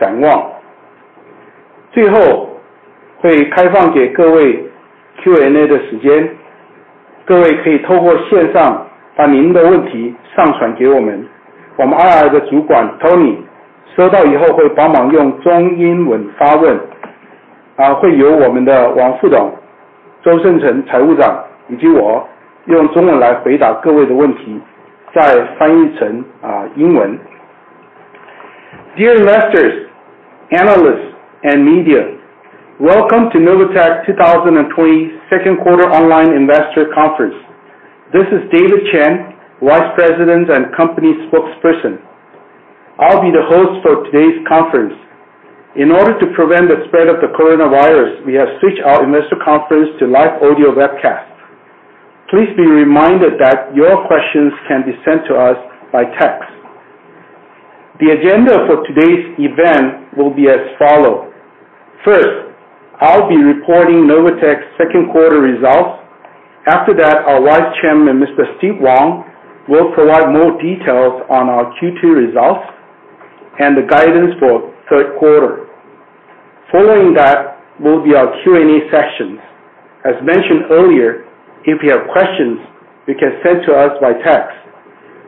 Dear investors, analysts, and media, welcome to Novatek 2020 Second Quarter Online Investor Conference. This is David Chen, Vice President and Company Spokesperson. I'll be the host for today's conference. In order to prevent the spread of the coronavirus, we have switched our investor conference to live audio webcast. Please be reminded that your questions can be sent to us by text. The agenda for today's event will be as follows: First, I'll be reporting Novatek's second quarter results. After that, our Vice Chairman, Mr. Steve Wang, will provide more details on our Q2 results and the guidance for third quarter. Following that will be our Q&A sessions. As mentioned earlier, if you have questions, you can send to us by text.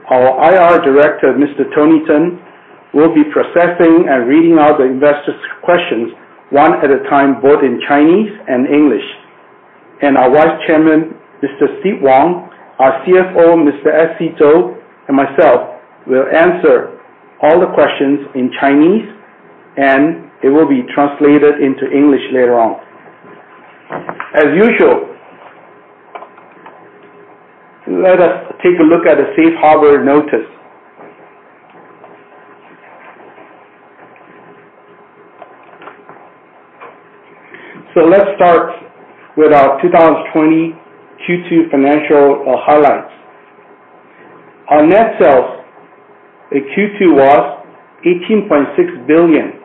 Our IR Director, Mr. Tony Tseng, will be processing and reading out the investors' questions one at a time, both in Chinese and English. Our Vice Chairman, Mr. Steve Wang, our CFO, Mr. S. C. Chou, and myself will answer all the questions in Chinese, and it will be translated into English later on. As usual, let us take a look at the safe harbor notice. Let's start with our 2020 Q2 financial highlights. Our net sales in Q2 was $18.6 billion,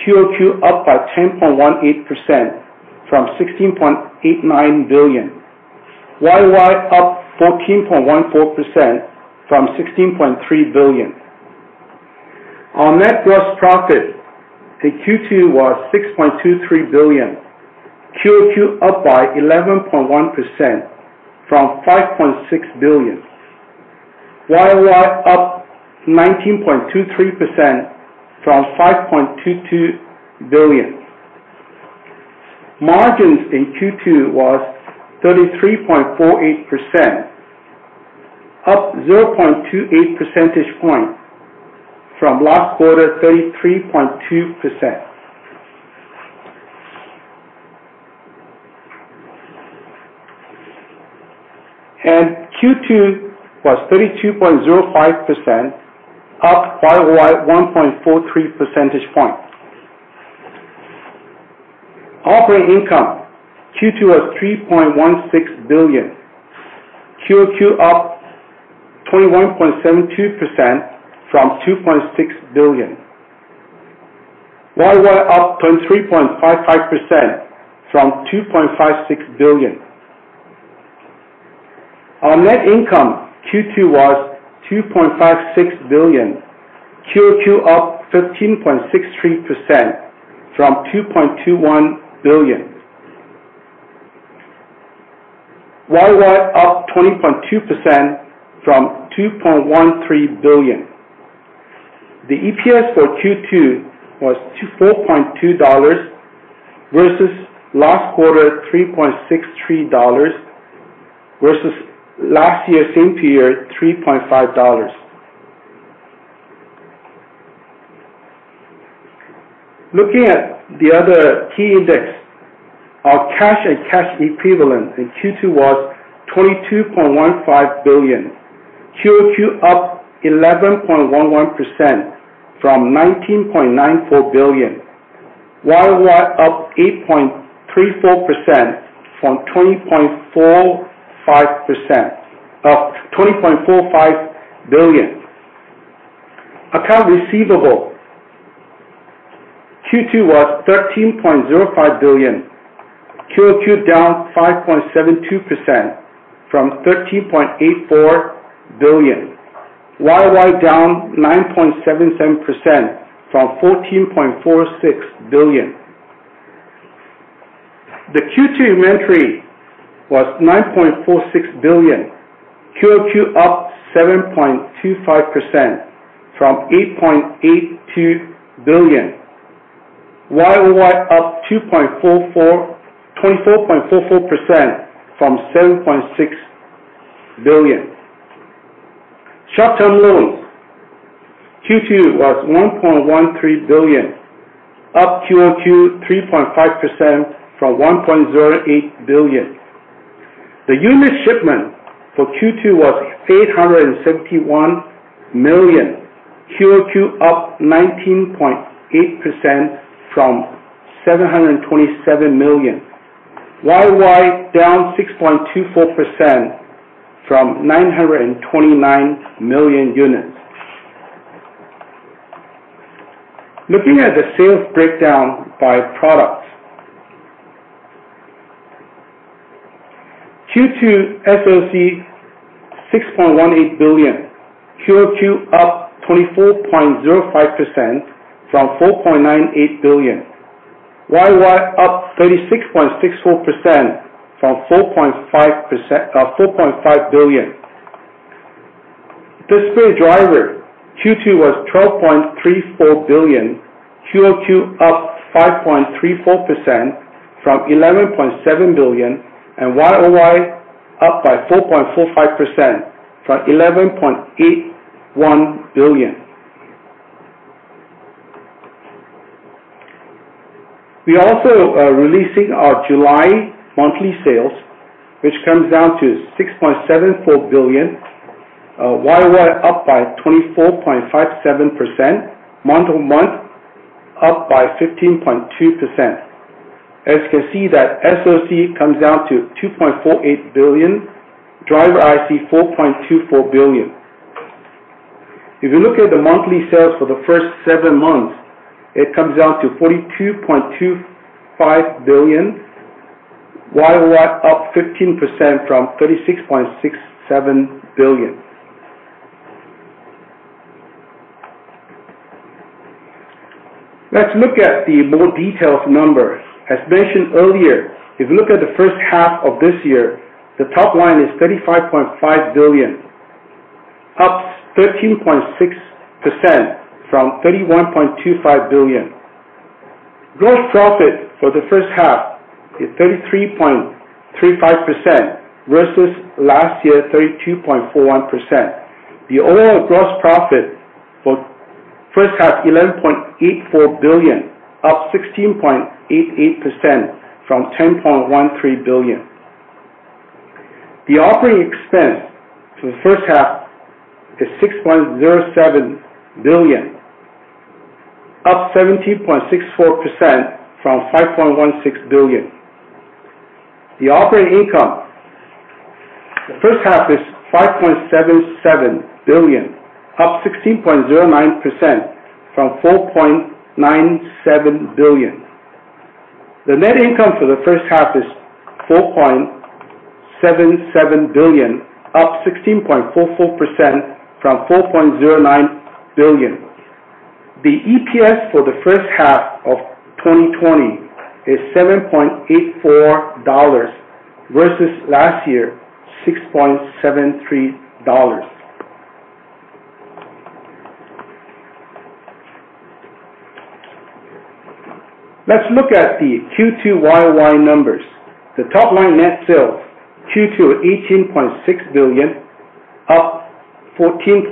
QOQ up by 10.18% from $16.89 billion, YOY up 14.14% from $16.3 billion. Our net gross profit in Q2 was $6.23 billion, QOQ up by 11.1% from $5.6 billion, YOY up 19.23% from $5.22 billion. Margins in Q2 was 33.48%, up 0.28 percentage points from last quarter 33.2%. Q2 was 32.05%, up YOY 1.43 percentage points. Operating income Q2 was $3.16 billion, QOQ up 21.72% from $2.6 billion, YOY up 23.55% from $2.56 billion. Our net income Q2 was $2.56 billion, QOQ up 15.63% from $2.21 billion, YOY up 20.2% from $2.13 billion. The EPS for Q2 was $4.2 versus last quarter $3.63 versus last year same period $3.5. Looking at the other key index, our cash and cash equivalent in Q2 was $22.15 billion, QOQ up 11.11% from $19.94 billion, YOY up 8.34% from $20.45 billion. Account receivable Q2 was $13.05 billion, QOQ down 5.72% from $13.84 billion, YOY down 9.77% from $14.46 billion. The Q2 inventory was $9.46 billion, QOQ up 7.25% from $8.82 billion, YOY up 24.44% from $7.6 billion. Short-term loans Q2 was $1.13 billion, up QOQ 3.5% from $1.08 billion. The unit shipment for Q2 was 871 million, QOQ up 19.8% from 727 million, YOY down 6.24% from 929 million units. Looking at the sales breakdown by products, Q2 SOC $6.18 billion, QOQ up 24.05% from $4.98 billion, YOY up 36.64% from $4.5 billion. Display driver Q2 was $12.34 billion, QOQ up 5.34% from $11.7 billion, and YOY up by 4.45% from $11.81 billion. We also are releasing our July monthly sales, which comes down to $6.74 billion, YOY up by 24.57%, month-on-month up by 15.2%. As you can see, that SOC comes down to $2.48 billion, driver IC $4.24 billion. If you look at the monthly sales for the first seven months, it comes down to $42.25 billion, YOY up 15% from $36.67 billion. Let's look at the more detailed numbers. As mentioned earlier, if you look at the first half of this year, the top line is $35.5 billion, up 13.6% from $31.25 billion. Gross profit for the first half is 33.35% versus last year 32.41%. The overall gross profit for first half is $11.84 billion, up 16.88% from $10.13 billion. The operating expense for the first half is $6.07 billion, up 17.64% from $5.16 billion. The operating income for the first half is $5.77 billion, up 16.09% from $4.97 billion. The net income for the first half is $4.77 billion, up 16.44% from $4.09 billion. The EPS for the first half of 2020 is $7.84 versus last year $6.73. Let's look at the Q2 YOY numbers. The top line net sales Q2 are $18.6 billion, up 14.14%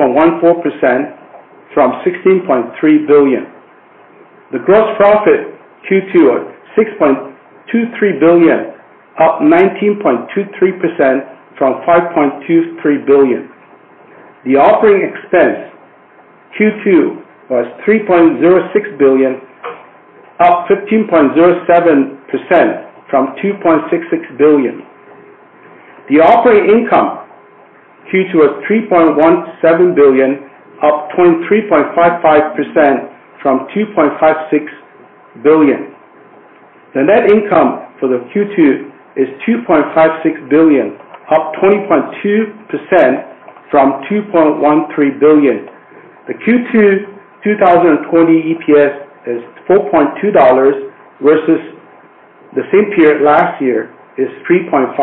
from $16.3 billion. The gross profit Q2 is $6.23 billion, up 19.23% from $5.23 billion. The operating expense Q2 was $3.06 billion, up 15.07% from $2.66 billion. The operating income Q2 was $3.17 billion, up 23.55% from $2.56 billion. The net income for the Q2 is $2.56 billion, up 20.2% from $2.13 billion. The Q2 2020 EPS is $4.2 versus the same period last year is $3.5.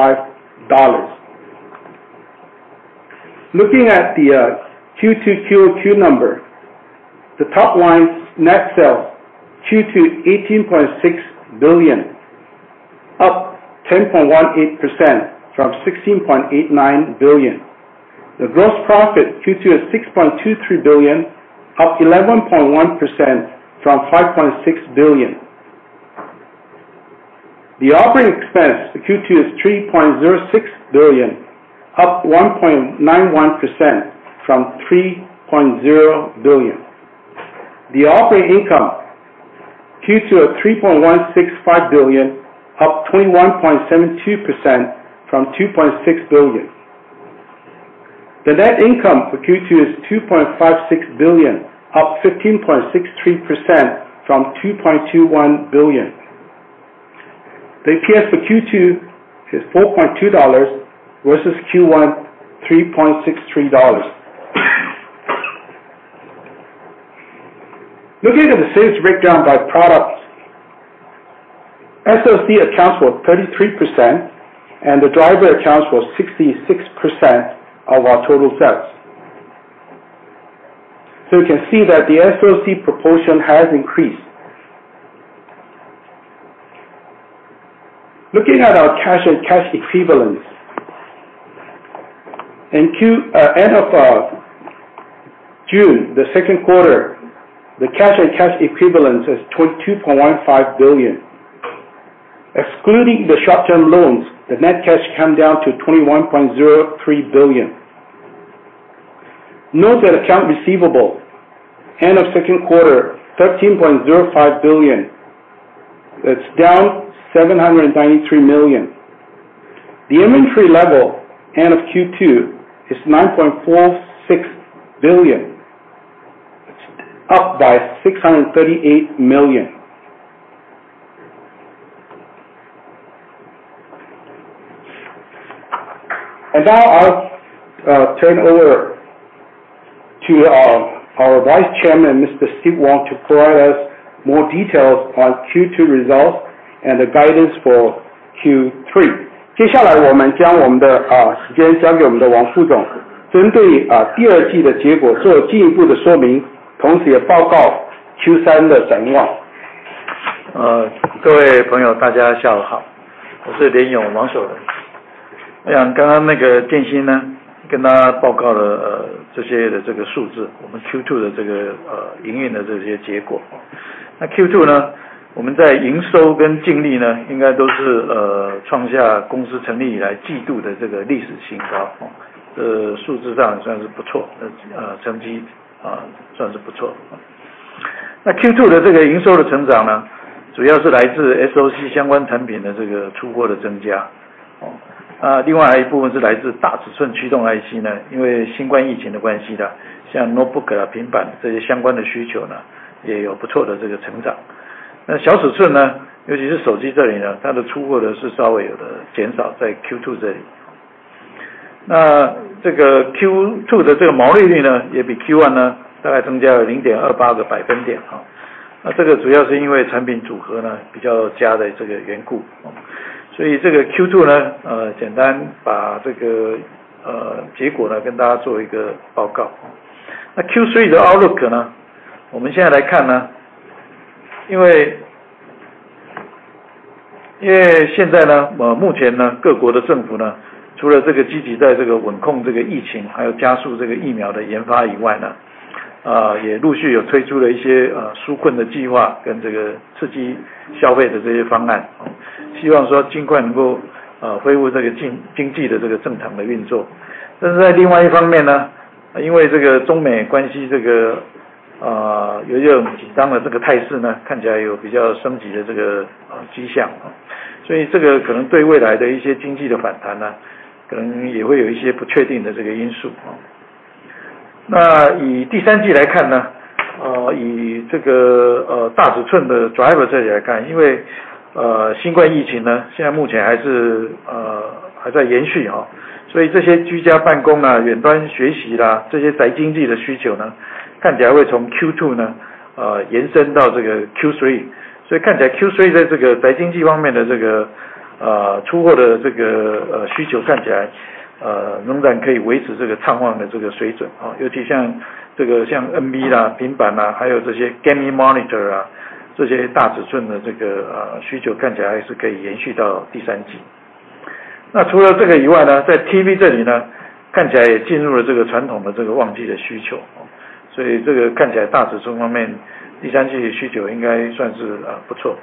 Looking at the Q2 QOQ number, the top line net sales Q2 is $18.6 billion, up 10.18% from $16.89 billion. The gross profit Q2 is $6.23 billion, up 11.1% from $5.6 billion. The operating expense Q2 is $3.06 billion, up 1.91% from $3.0 billion. The operating income Q2 is $3.165 billion, up 21.72% from $2.6 billion. The net income for Q2 is $2.56 billion, up 15.63% from $2.21 billion. The EPS for Q2 is $4.2 versus Q1 $3.63. Looking at the sales breakdown by products, SOC accounts for 33%, and the driver accounts for 66% of our total sales. You can see that the SOC proportion has increased. Looking at our cash and cash equivalents, in end of June, the second quarter, the cash and cash equivalents is $22.15 billion. Excluding the short-term loans, the net cash comes down to $21.03 billion. Note that account receivable, end of second quarter, $13.05 billion. It's down $793 million. The inventory level, end of Q2, is $9.46 billion, up by $638 million. Now I'll turn over to our Vice Chairman, Mr. Steve Wang, to provide us more details on Q2 results and the guidance for Q3. 接下来我们将我们的时间交给我们的王副总，针对第二季的结果做进一步的说明，同时也报告Q3的展望。monitor，这些大尺寸的需求，看起来还是可以延续到第三季。除了这个以外，在TV这里看起来也进入了传统的旺季需求，所以看起来大尺寸方面第三季的需求应该算是不错。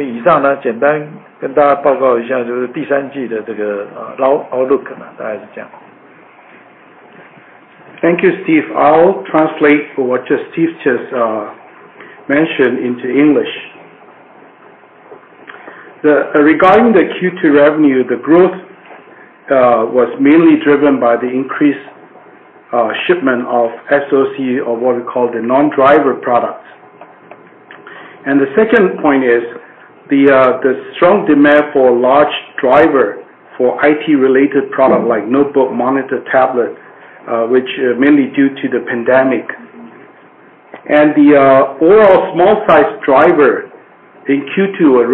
以上简单跟大家报告一下，就是第三季的outlook大概是这样。Thank you, Steve. I'll translate what Steve just mentioned into English. Regarding the Q2 revenue, the growth was mainly driven by the increased shipment of SOC or what we call the non-driver products. The second point is the strong demand for large driver for IT-related products like notebook, monitor, tablet, which is mainly due to the pandemic. The overall small-sized driver in Q2 was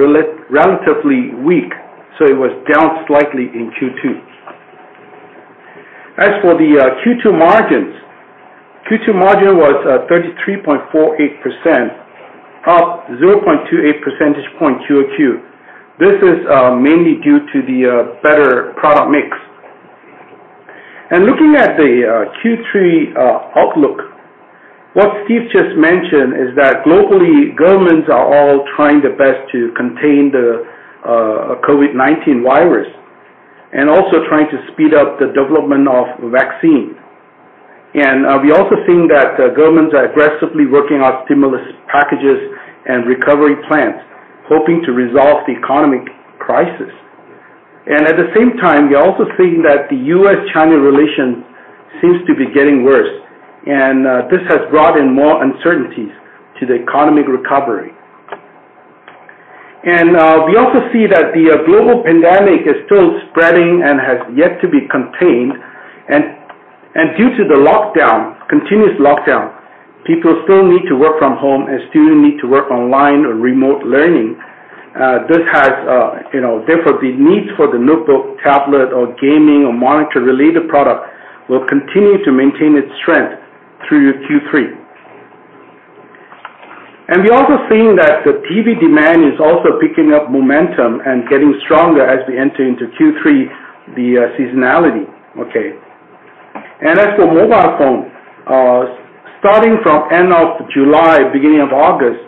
relatively weak, so it was down slightly in Q2. As for the Q2 margins, Q2 margin was 33.48%, up 0.28 percentage points Q2. This is mainly due to the better product mix. Looking at the Q3 outlook, what Steve just mentioned is that globally, governments are all trying their best to contain the COVID-19 virus and also trying to speed up the development of vaccine. We're also seeing that governments are aggressively working on stimulus packages and recovery plans, hoping to resolve the economic crisis. At the same time, we're also seeing that the US-China relations seem to be getting worse, and this has brought in more uncertainties to the economic recovery. We also see that the global pandemic is still spreading and has yet to be contained. Due to the lockdown, continuous lockdown, people still need to work from home and still need to work online or remote learning. This has, therefore, the need for the notebook, tablet, or gaming or monitor-related products will continue to maintain its strength through Q3. We're also seeing that the TV demand is also picking up momentum and getting stronger as we enter into Q3, the seasonality. As for mobile phones, starting from end of July, beginning of August,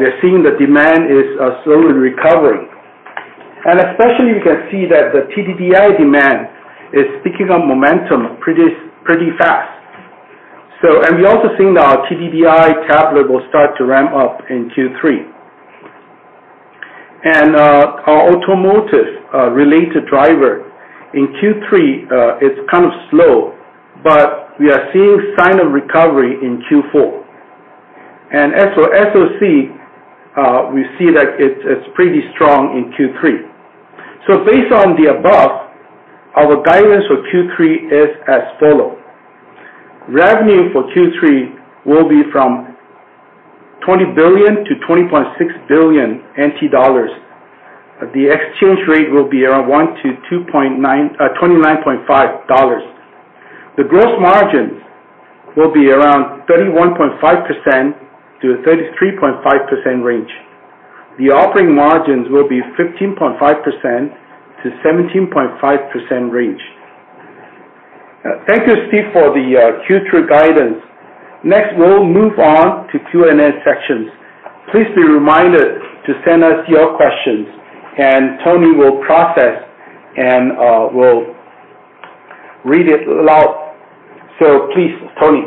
we're seeing the demand is slowly recovering. Especially, we can see that the TDDI demand is picking up momentum pretty fast. We're also seeing our TDDI tablet will start to ramp up in Q3. Our automotive-related driver in Q3 is kind of slow, but we are seeing signs of recovery in Q4. As for SOC, we see that it's pretty strong in Q3. So based on the above, our guidance for Q3 is as follows. Revenue for Q3 will be from NT$20 billion to NT$20.6 billion. The exchange rate will be around 1 to 29.5 dollars. The gross margins will be around 31.5% to 33.5% range. The operating margins will be 15.5% to 17.5% range. Thank you, Steve, for the Q2 guidance. Next, we'll move on to Q&A sections. Please be reminded to send us your questions, and Tony will process and will read it aloud. So please, Tony.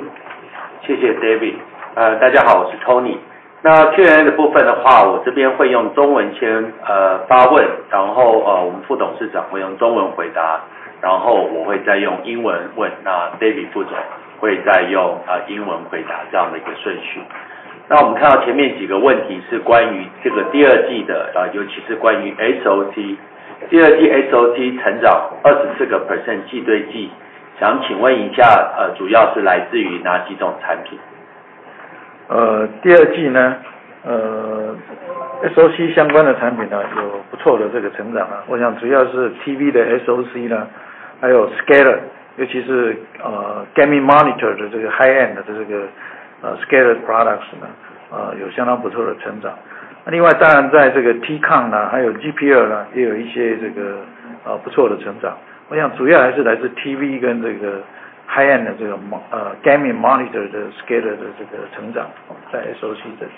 monitor的這個high-end的這個Scaler products呢，有相當不錯的成長。另外當然在這個TCON呢，還有GPL呢，也有一些這個不錯的成長。我想主要還是來自TV跟這個high-end的這個gaming monitor的Scaler的這個成長，在SOC這裡。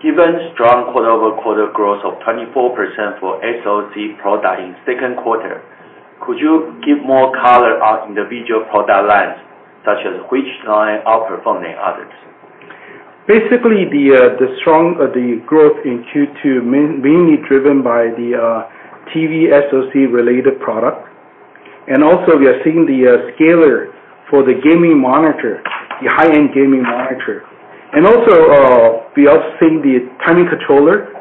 Given strong quarter-over-quarter growth of 24% for SOC products in second quarter, could you give more color on individual product lines, such as which line outperformed others? Basically, the strong growth in Q2 is mainly driven by the TV SOC-related products. We are seeing the Scaler for the gaming monitor, the high-end gaming monitor. We are also seeing the timing controller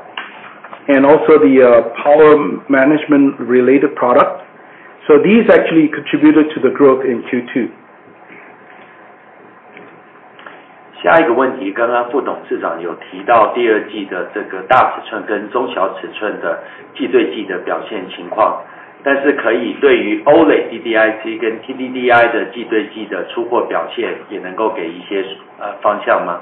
and the power management-related products. So these actually contributed to the growth in Q2. 下一个问题，刚刚副董事长有提到第二季的这个大尺寸跟中小尺寸的季对季的表现情况，但是可以对于OLED DDIC跟TDDI的季对季的出货表现，也能够给一些方向吗？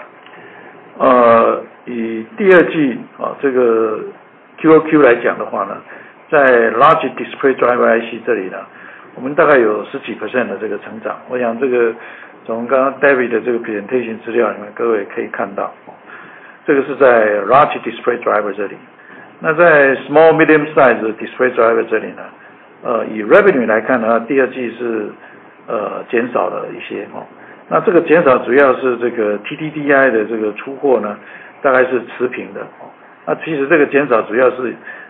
以第二季这个Q2Q来讲的话呢，在Large Display Driver IC这里呢，我们大概有十几%的这个成长。我想这个从刚刚David的这个presentation资料里面，各位可以看到，这个是在Large Display Driver这里。那在Small Medium Size的Display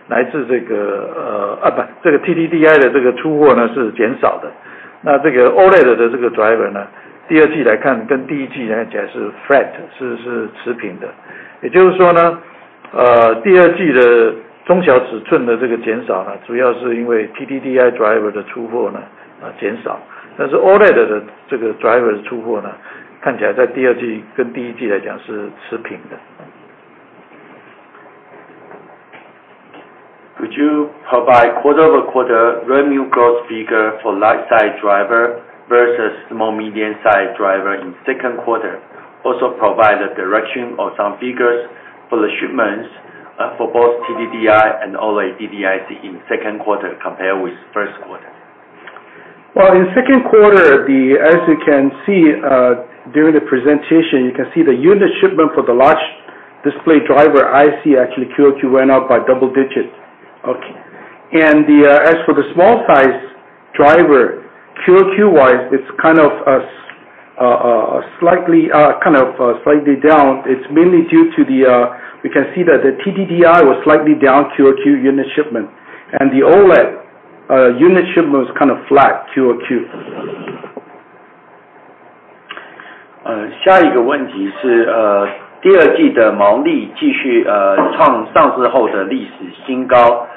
Driver这里呢，以revenue来看的话，第二季是减少了一些。那这个减少主要是这个TDDI的这个出货呢，大概是持平的。那其实这个减少主要是来自这个TDDI的这个出货呢，是减少的。那这个OLED的这个driver呢，第二季来看跟第一季来讲是flat，是持平的。也就是说呢，第二季的中小尺寸的这个减少呢，主要是因为TDDI driver的出货呢，减少。但是OLED的这个driver的出货呢，看起来在第二季跟第一季来讲是持平的。Could you provide quarter-over-quarter revenue growth figure for large-sized driver versus small-medium-sized driver in second quarter? Also provide the direction of some figures for the shipments for both TDDI and OLED DDIC in second quarter compared with first quarter. In second quarter, as you can see during the presentation, you can see the unit shipment for the large display driver IC actually Q2 went up by double digits. And as for the small-sized driver, Q2-wise, it's slightly down. It's mainly due to we can see that the TDDI was slightly down Q2 unit shipment, and the OLED unit shipment was flat Q2Q. 下一个问题是第二季的毛利继续创上市后的历史新高。那刚刚有提到除了这个产品组合外，不知道在NRE的金额方面是否也可以提一下，还有是来自于哪些产品？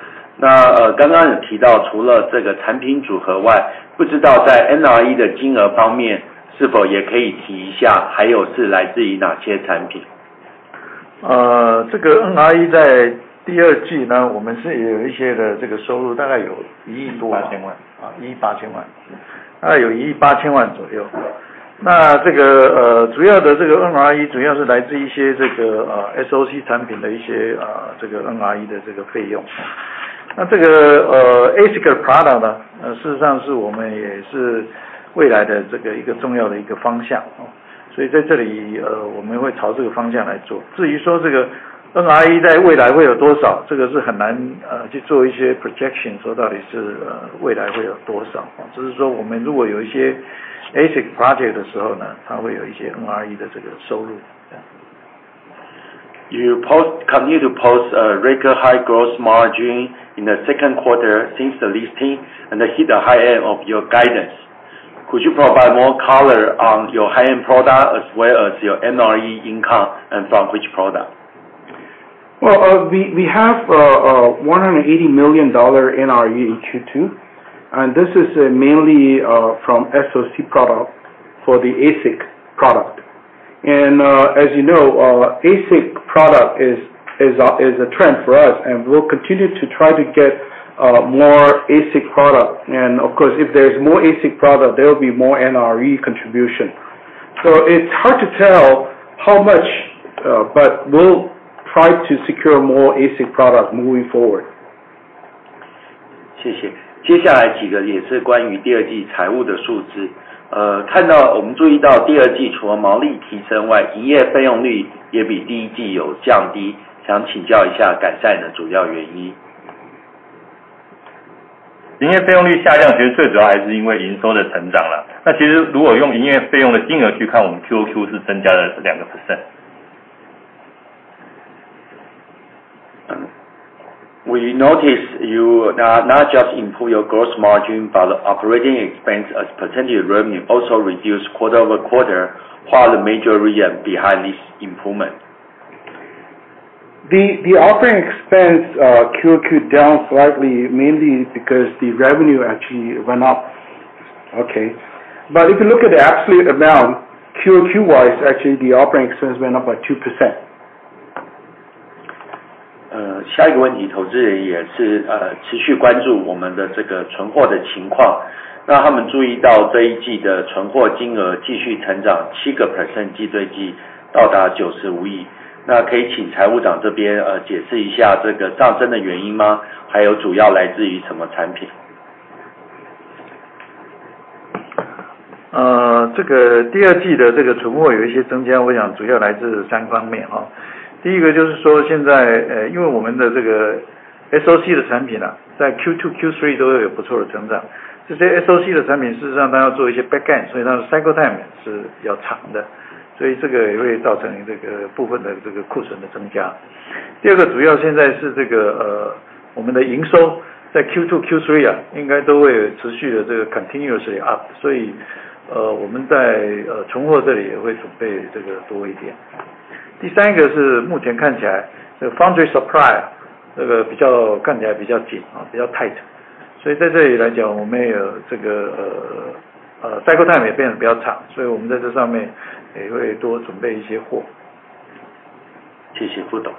You continue to post a record high growth margin in the second quarter since the listing and hit the high end of your guidance. Could you provide more color on your high-end products as well as your NRE income and from which products? We have $180 million NRE in Q2, and this is mainly from SOC products for the ASIC product. As you know, ASIC product is a trend for us, and we'll continue to try to get more ASIC products. Of course, if there's more ASIC products, there will be more NRE contribution. So it's hard to tell how much, but we'll try to secure more ASIC products moving forward. 谢谢。接下来几个也是关于第二季财务的数字。看到我们注意到第二季除了毛利提升外，营业费用率也比第一季有降低。想请教一下改善的主要原因？ 营业费用率下降其实最主要还是因为营收的成长。其实如果用营业费用的金额去看，我们Q2对Q1是增加了2%。We notice you not just improve your gross margin, but the operating expense as percentage revenue also reduced quarter over quarter. What are the major reasons behind this improvement? The operating expense Q2Q down slightly mainly because the revenue actually went up. Okay. But if you look at the absolute amount, Q2Q-wise, actually the operating expense went up by 2%. end，所以它的cycle time是比較長的。所以這個也會造成這個部分的這個庫存的增加。第二個主要現在是這個我們的營收在Q2、Q3應該都會持續的這個continuously up，所以我們在存貨這裡也會準備這個多一點。第三個是目前看起來這個foundry supply這個比較看起來比較緊，比較tight。所以在這裡來講，我們也有這個cycle time也變得比較長，所以我們在這上面也會多準備一些貨。謝謝副董。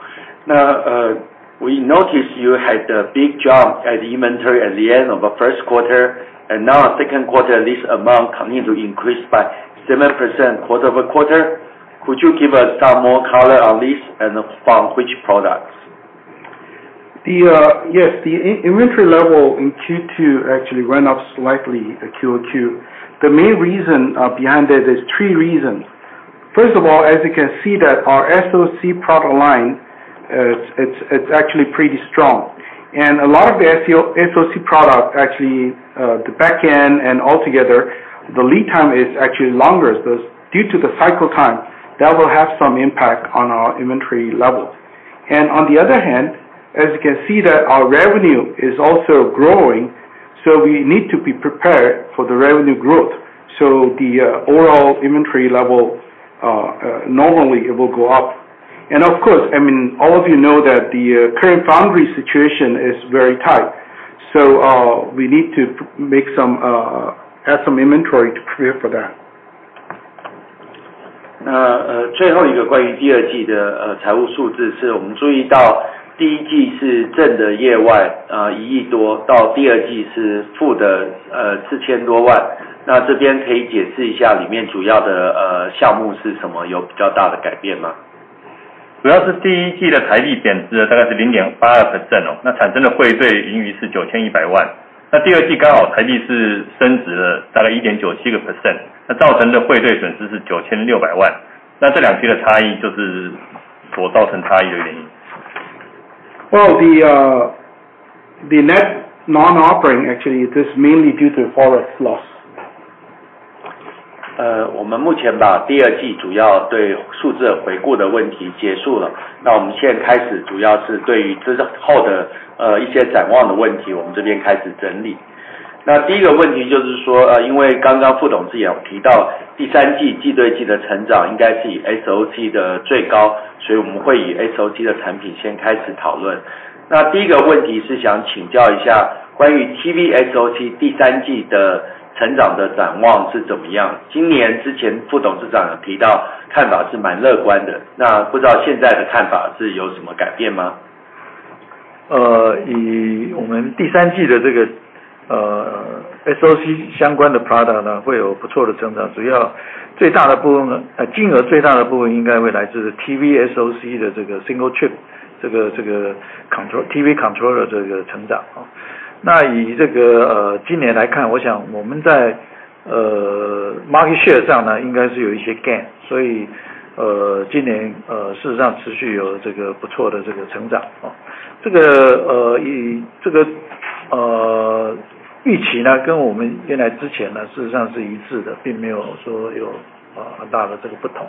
We notice you had a big jump in inventory at the end of the first quarter, and now second quarter lease amount continues to increase by 7% quarter over quarter. Could you give us some more color on lease and from which products? Yes, the inventory level in Q2 actually went up slightly Q2Q. The main reason behind it is three reasons. First of all, as you can see that our SOC product line, it's actually pretty strong. A lot of the SOC products actually, the back end and altogether, the lead time is actually longer. So due to the cycle time, that will have some impact on our inventory level. On the other hand, as you can see that our revenue is also growing, so we need to be prepared for the revenue growth. So the overall inventory level normally it will go up. Of course, I mean all of you know that the current foundry situation is very tight. So we need to add some inventory to prepare for that. 最后一个关于第二季的财务数字是我们注意到第一季是正的业外一亿多，到第二季是负的四千多万。那这边可以解释一下里面主要的项目是什么，有比较大的改变吗？主要是第一季的台币贬值了大概是0.82%。那产生的汇兑盈余是9,100万。那第二季刚好台币是升值了大概1.97%。那造成的汇兑损失是9,600万。那这两季的差异就是所造成差异的原因。Well, the net non-operating actually is mainly due to forward flows. 我们目前把第二季主要对数字的回顾的问题结束了。那我们现在开始主要是对于之后的一些展望的问题，我们这边开始整理。那第一个问题就是说，因为刚刚副董事长有提到第三季季对季的成长应该是以SOC的最高，所以我们会以SOC的产品先开始讨论。那第一个问题是想请教一下关于TV SOC第三季的成长的展望是怎么样？ 今年之前副董事长有提到看法是蛮乐观的。那不知道现在的看法是有什么改变吗？以我们第三季的这个SOC相关的product呢，会有不错的成长，主要最大的部分金额最大的部分应该会来自TV SOC的这个single chip这个control TV controller的这个成长。那以这个今年来看，我想我们在market share上呢，应该是有一些gain，所以今年事实上持续有这个不错的这个成长。这个预期呢，跟我们原来之前呢，事实上是一致的，并没有说有很大的这个不同。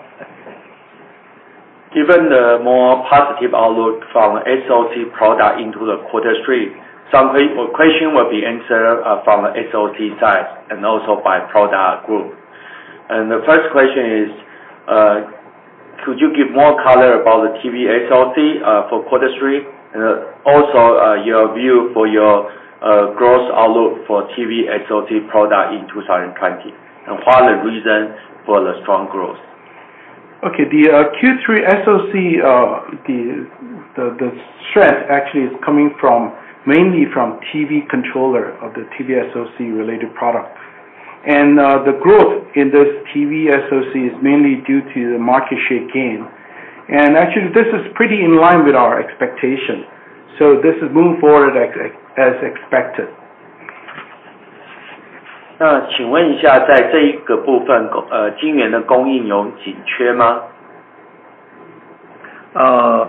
Given the more positive outlook from SOC product into the quarter three, some questions will be answered from the SOC side and also by product group. The first question is, could you give more color about the TV SOC for quarter three? And also your view for your growth outlook for TV SOC product in 2020, and what are the reasons for the strong growth? Okay. The Q3 SOC, the strength actually is coming mainly from TV controller of the TV SOC related product. The growth in this TV SOC is mainly due to the market share gain. Actually this is pretty in line with our expectation. So this is moving forward as expected. 請問一下在這一個部分，晶圓的供應有緊缺嗎？ 在TV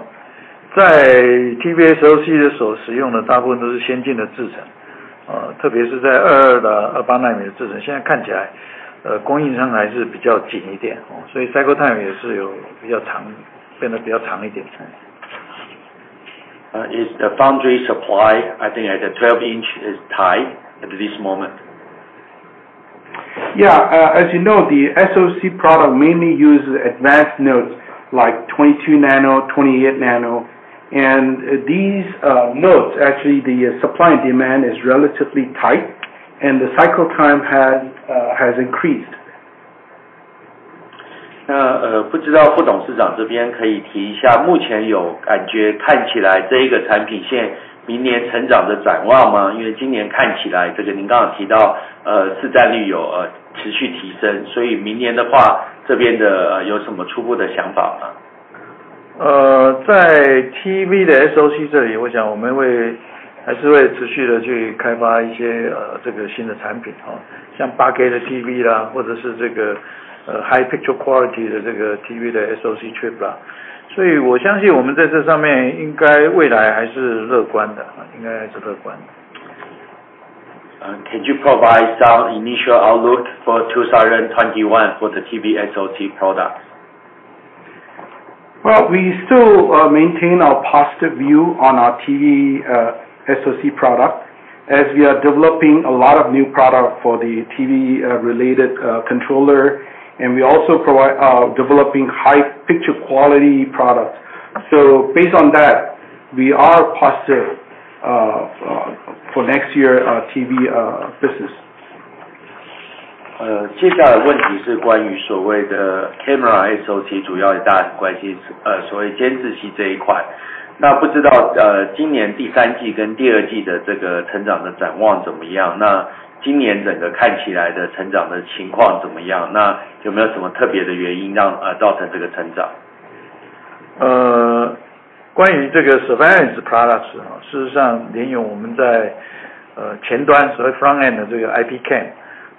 SOC的所使用的大部分都是先進的製程，特別是在22的28奈米的製程，現在看起來供應商還是比較緊一點，所以cycle time也是有比較長，變得比較長一點。Is the foundry supply, I think at the 12 inch, tight at this moment? Yeah, as you know, the SOC product mainly uses advanced nodes like 22 nano, 28 nano, and these nodes actually the supply and demand is relatively tight, and the cycle time has increased. 不知道副董事长这边可以提一下，目前有感觉看起来这一个产品线明年成长的展望吗？因为今年看起来这个您刚刚有提到市占率有持续提升，所以明年的话这边的有什么初步的想法吗？ 在TV的SOC这里我想我们会还是会持续的去开发一些这个新的产品，像8K的TV啦，或者是这个high picture quality的这个TV的SOC chip啦。所以我相信我们在这上面应该未来还是乐观的，应该还是乐观的。Can you provide some initial outlook for 2021 for the TV SOC product? Well, we still maintain our positive view on our TV SOC product as we are developing a lot of new products for the TV related controller, and we also are developing high picture quality products. So based on that, we are positive for next year TV business.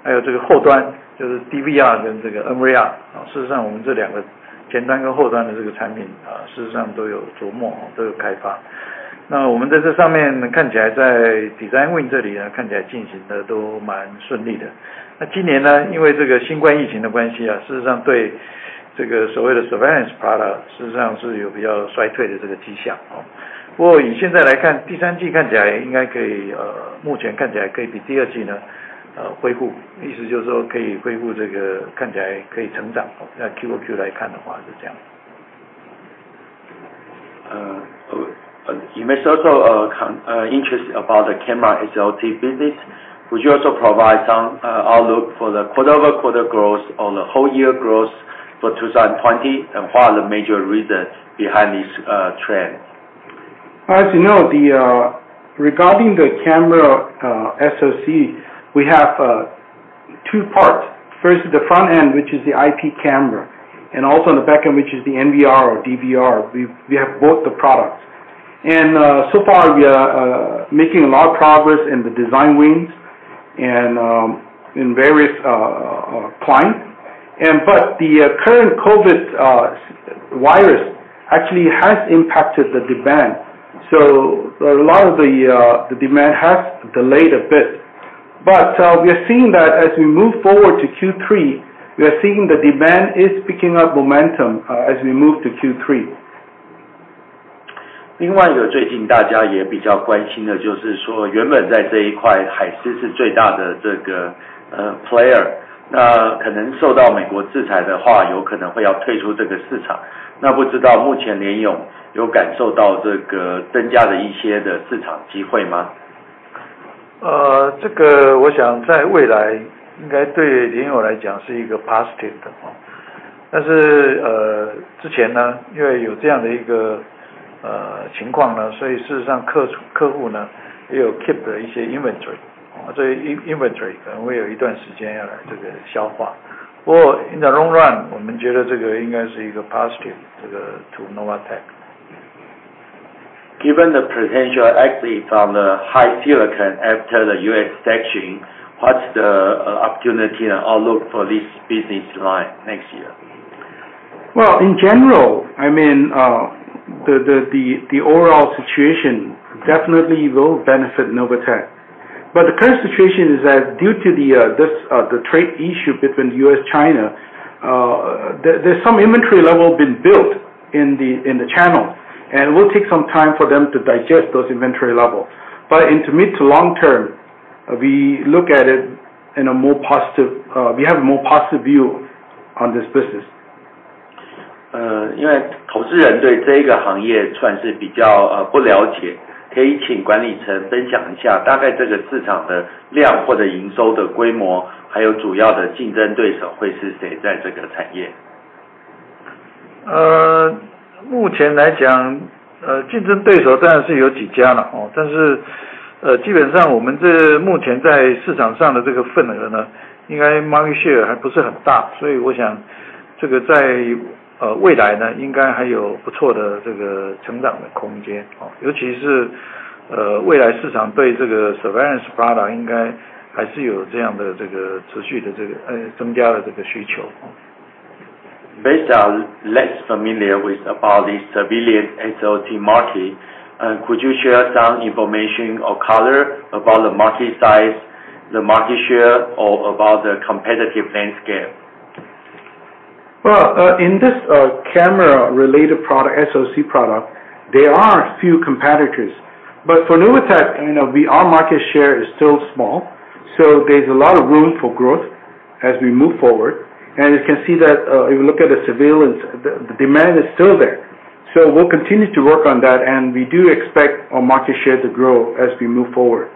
cam，还有这个后端就是DVR跟这个NVR，事实上我们这两个前端跟后端的这个产品事实上都有琢磨，都有开发。那我們在這上面看起來在design wing這裡看起來進行的都蠻順利的。那今年呢，因為這個新冠疫情的關係，事實上對這個所謂的surveillance product事實上是有比較衰退的這個跡象。不過以現在來看，第三季看起來應該可以，目前看起來可以比第二季恢復，意思就是說可以恢復這個看起來可以成長。那Q2Q來看的話是這樣。You mentioned also interest about the camera SOC business. Would you also provide some outlook for the quarter over quarter growth or the whole year growth for 2020, and what are the major reasons behind this trend? As you know, regarding the camera SOC, we have two parts. First is the front end, which is the IP camera, and also on the back end, which is the NVR or DVR. We have both the products. So far we are making a lot of progress in the design wings and in various clients. But the current COVID virus actually has impacted the demand. So a lot of the demand has delayed a bit. But we are seeing that as we move forward to Q3, we are seeing the demand is picking up momentum as we move to Q3. 另外一個最近大家也比較關心的就是說原本在這一塊海思是最大的這個player，那可能受到美國制裁的話有可能會要退出這個市場。那不知道目前聯詠有感受到這個增加的一些市場機會嗎？ 這個我想在未來應該對聯詠來講是一個positive的。但是之前呢，因為有這樣的一個情況呢，所以事實上客戶呢也有keep的一些inventory，所以inventory可能會有一段時間要來這個消化。不過in the long run我們覺得這個應該是一個positive這個to Novatek。Given the potential actually from the HiSilicon after the US sanction, what's the opportunity and outlook for this business line next year? Well, in general, I mean the overall situation definitely will benefit Novatek. But the current situation is that due to the trade issue between the US and China, there's some inventory level been built in the channel, and it will take some time for them to digest those inventory levels. But in the mid to long term, we look at it in a more positive view on this business. 因為投資人對這一個行業算是比較不了解，可以請管理層分享一下大概這個市場的量或者營收的規模，還有主要的競爭對手會是誰在這個產業？ 目前來講競爭對手當然是有幾家，但是基本上我們這目前在市場上的這個份額呢應該market share還不是很大，所以我想這個在未來呢應該還有不錯的這個成長的空間，尤其是未來市場對這個surveillance product應該還是有這樣的這個持續的這個增加的這個需求。Based on less familiar with about the surveillance SOC market, could you share some information or color about the market size, the market share, or about the competitive landscape? Well, in this camera related product SOC product, there are few competitors. But for Novatek, our market share is still small, so there's a lot of room for growth as we move forward. You can see that if you look at the surveillance, the demand is still there. So we'll continue to work on that, and we do expect our market share to grow as we move forward.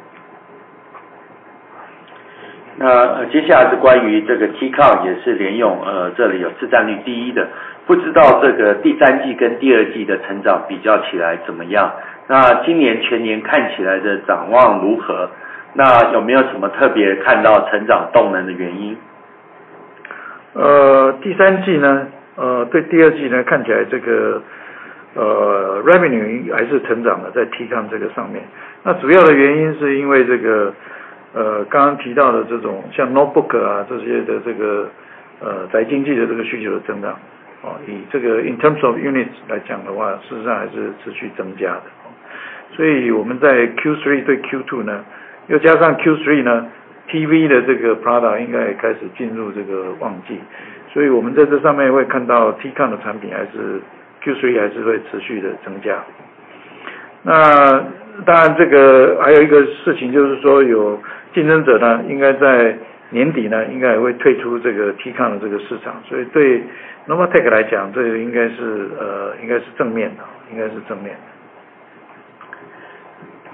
接下来是关于这个TCON也是联咏这里有市占率第一的。不知道这个第三季跟第二季的成长比较起来怎么样？那今年全年看起来的展望如何？那有没有什么特别看到成长动能的原因？ 第三季呢，对第二季呢看起来这个revenue还是成长的在TCON这个上面。那主要的原因是因为这个刚刚提到的这种像notebook啊，这些的这个宅经济的这个需求的成长，以这个in terms of units来讲的话，事实上还是持续增加的。所以我们在Q3对Q2呢，又加上Q3呢TV的这个product应该也开始进入这个旺季，所以我们在这上面会看到TCON的产品还是Q3还是会持续的增加。那当然这个还有一个事情就是说有竞争者呢应该在年底呢应该也会退出这个TCON的这个市场，所以对Novatek来讲这个应该是正面的。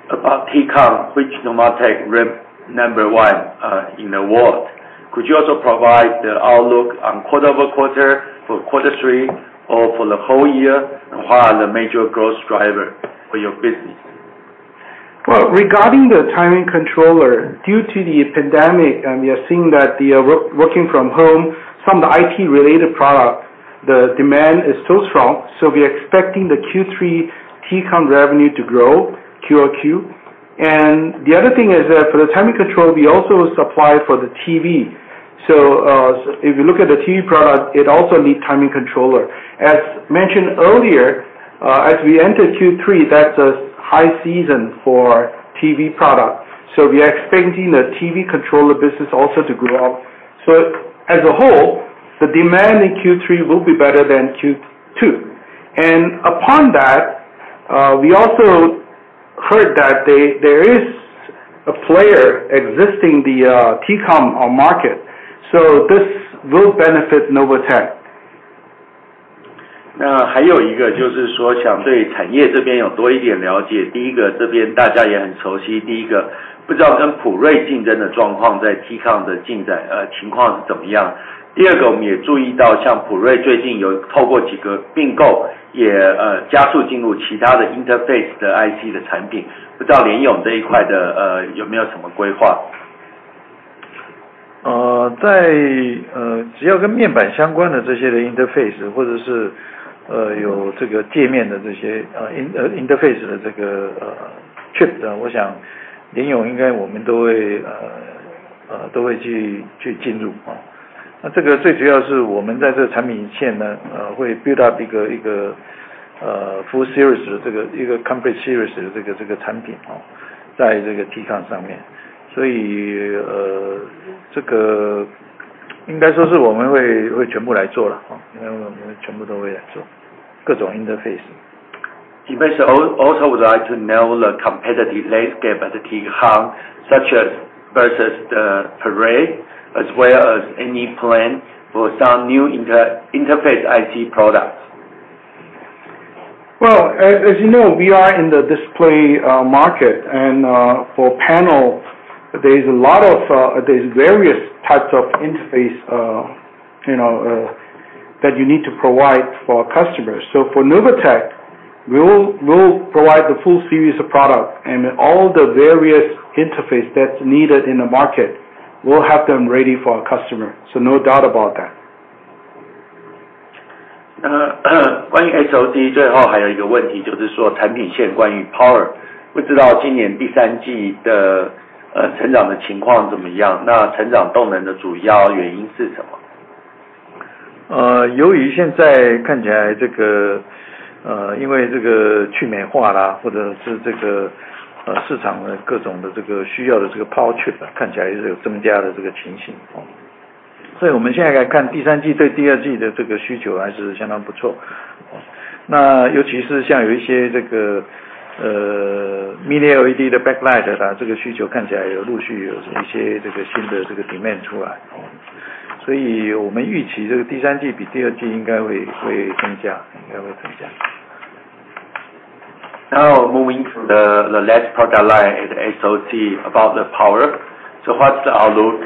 About T-CON, which Novatek ranks number one in the world, could you also provide the outlook on quarter over quarter for quarter three or for the whole year and what are the major growth drivers for your business? Well, regarding the timing controller, due to the pandemic, we are seeing that working from home, some of the IT related product, the demand is still strong, so we are expecting the Q3 T-CON revenue to grow QoQ. The other thing is that for the timing controller, we also supply for the TV. So if you look at the TV product, it also needs timing controller. As mentioned earlier, as we enter Q3, that's a high season for TV product. So we are expecting the TV controller business also to grow up. So as a whole, the demand in Q3 will be better than Q2. On top of that, we also heard that there is a player exiting in the T-CON market, so this will benefit Novatek. 還有一個就是說想對產業這邊有多一點了解，第一個這邊大家也很熟悉，第一個不知道跟譜瑞競爭的狀況在T-CON的進展情況是怎麼樣。第二個我們也注意到像譜瑞最近有透過幾個併購，也加速進入其他的interface的IC的產品，不知道聯詠這一塊的有沒有什麼規劃？ up一個full series的這個一個complete series的這個產品在這個T-CON上面。所以這個應該說是我們會全部來做啦，因為我們全部都會來做各種interface。Based also would like to know the competitive landscape at the T-CON such as versus the Parade as well as any plan for some new interface IC products. Well, as you know, we are in the display market and for panel there's a lot of there's various types of interface that you need to provide for our customers. So for nova tech, we'll provide the full series of product and all the various interface that's needed in the market, we'll have them ready for our customers, so no doubt about that. 关于SOC最后还有一个问题就是说产品线关于power，不知道今年第三季的成长的情况怎么样？ 那成长动能的主要原因是什么？由于现在看起来这个因为这个去美化啦或者是这个市场的各种的这个需要的这个power Now moving to the next product line is SOC about the power, so what's the outlook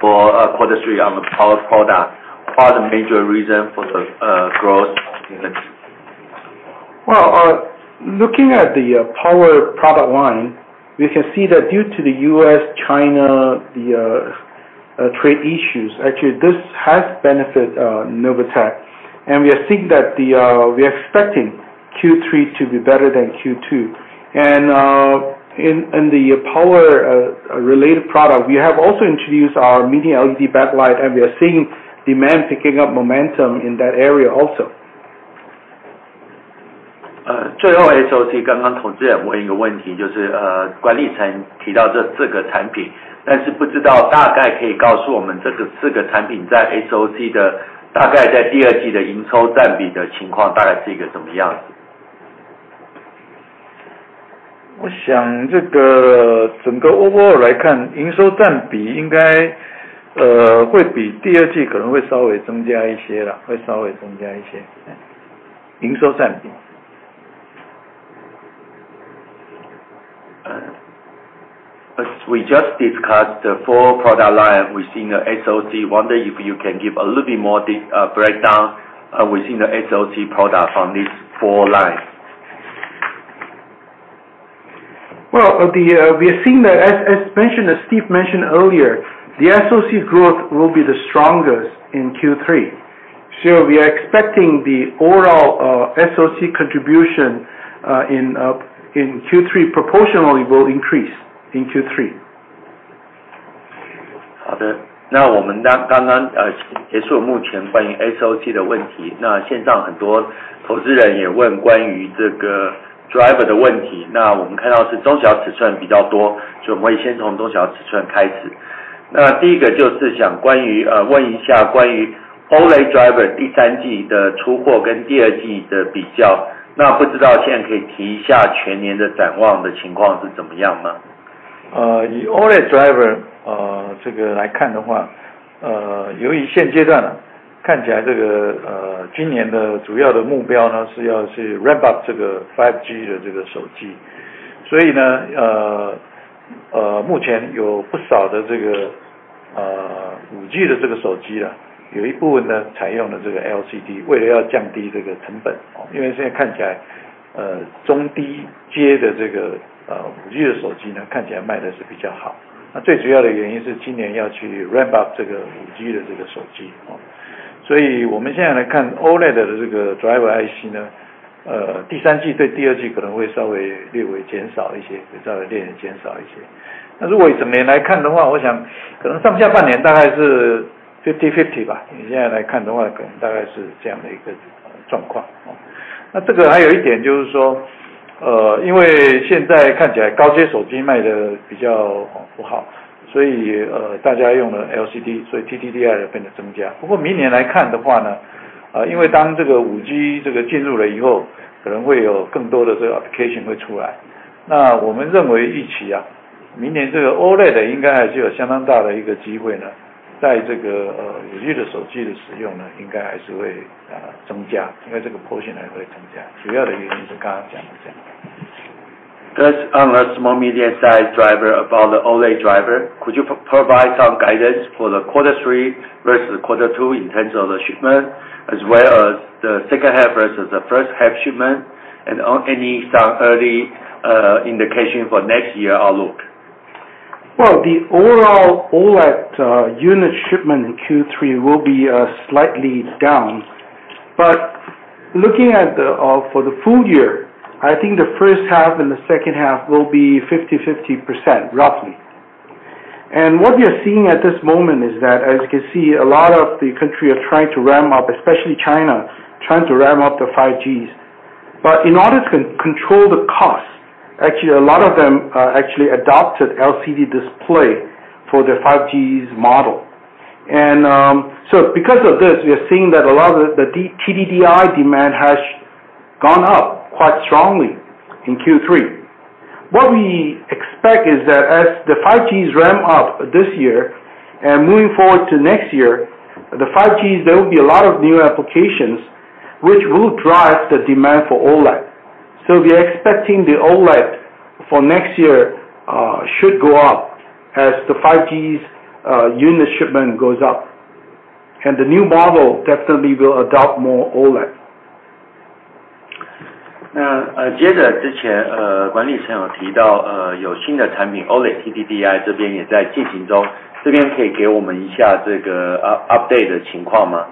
for quarter three on the power product? What's the major reason for the growth? Looking at the power product line, we can see that due to the US, China, the trade issues, actually this has benefited Novatek, and we are seeing that we are expecting Q3 to be better than Q2. In the power related product, we have also introduced our mini LED backlight, and we are seeing demand picking up momentum in that area also. 最后SOC刚刚投资人问一个问题就是管理层提到这四个产品，但是不知道大概可以告诉我们这个四个产品在SOC的大概在第二季的营收占比的情况大概是一个怎么样子？ 我想这个整个overall来看营收占比应该会比第二季可能会稍微增加一些啦，会稍微增加一些营收占比。We just discussed the four product lines within the SOC. Wonder if you can give a little bit more breakdown within the SOC product from these four lines? Well, we are seeing that as mentioned, as Steve mentioned earlier, the SOC growth will be the strongest in Q3, so we are expecting the overall SOC contribution in Q3 proportionally will increase in Q3. 那我們剛剛結束目前關於SOC的問題，那線上很多投資人也問關於這個driver的問題，那我們看到是中小尺寸比較多，所以我們會先從中小尺寸開始。那第一個就是想關於問一下關於OLED driver第三季的出貨跟第二季的比較，那不知道現在可以提一下全年的展望的情況是怎麼樣嗎？ 以OLED driver這個來看的話，由於現階段看起來這個今年的主要的目標是要去ramp Based on the small medium size driver about the OLED driver, could you provide some guidance for the quarter three versus quarter two in terms of the shipment, as well as the second half versus the first half shipment, and any some early indication for next year outlook? Well, the overall OLED unit shipment in Q3 will be slightly down, but looking at the for the full year, I think the first half and the second half will be 50-50% roughly. What we are seeing at this moment is that, as you can see, a lot of the country are trying to ramp up, especially China, trying to ramp up the 5Gs. But in order to control the cost, actually a lot of them actually adopted LCD display for the 5Gs model. Because of this, we are seeing that a lot of the TDDI demand has gone up quite strongly in Q3. What we expect is that as the 5Gs ramp up this year and moving forward to next year, the 5Gs, there will be a lot of new applications which will drive the demand for OLED. So we are expecting the OLED for next year should go up as the 5Gs unit shipment goes up, and the new model definitely will adopt more OLED. 接着之前管理层有提到有新的产品OLED TDDI这边也在进行中，这边可以给我们一下这个update的情况吗？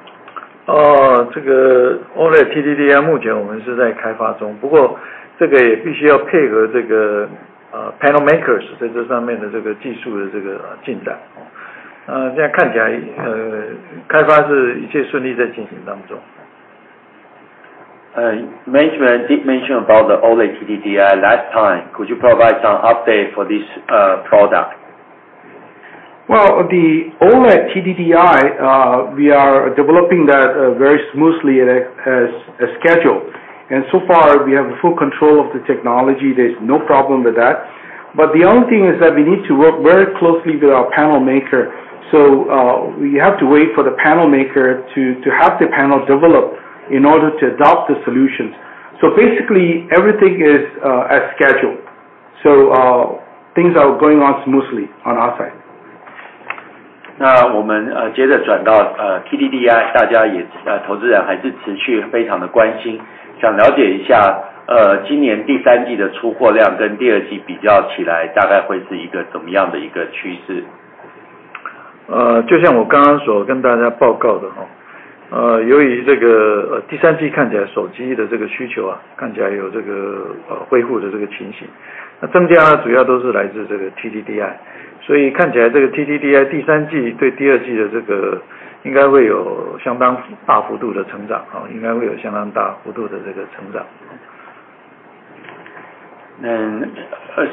这个OLED TDDI目前我们是在开发中，不过这个也必须要配合这个panel makers在这上面的这个技术的这个进展。现在看起来开发是一切顺利在进行当中。Management did mention about the OLED TDDI last time, could you provide some update for this product? Well, the OLED TDDI we are developing that very smoothly as scheduled, and so far we have full control of the technology, there's no problem with that. But the only thing is that we need to work very closely with our panel maker, so we have to wait for the panel maker to have the panel develop in order to adopt the solutions. So basically everything is as scheduled, so things are going on smoothly on our side. 那我们接着转到TDDI，大家也投资人还是持续非常的关心，想了解一下今年第三季的出货量跟第二季比较起来大概会是一个怎么样的一个趋势。就像我刚刚所跟大家报告的，由于这个第三季看起来手机的这个需求看起来有这个恢复的这个情形，增加主要都是来自这个TDDI，所以看起来这个TDDI第三季对第二季的这个应该会有相当大幅度的成长，应该会有相当大幅度的这个成长。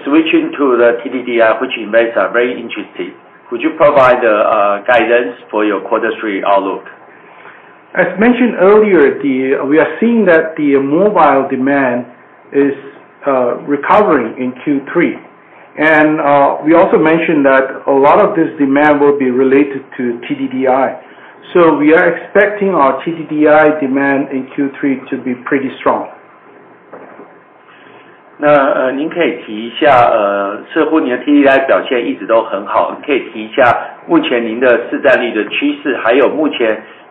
Switching to the TDDI, which investors are very interested, could you provide guidance for your quarter three outlook? As mentioned earlier, we are seeing that the mobile demand is recovering in Q3, and we also mentioned that a lot of this demand will be related to TDDI, so we are expecting our TDDI demand in Q3 to be pretty strong. 您可以提一下似乎您的TDDI表现一直都很好，您可以提一下目前您的市占率的趋势，还有目前初步看明年市场的size，还有您这个出货的展望会是怎么样？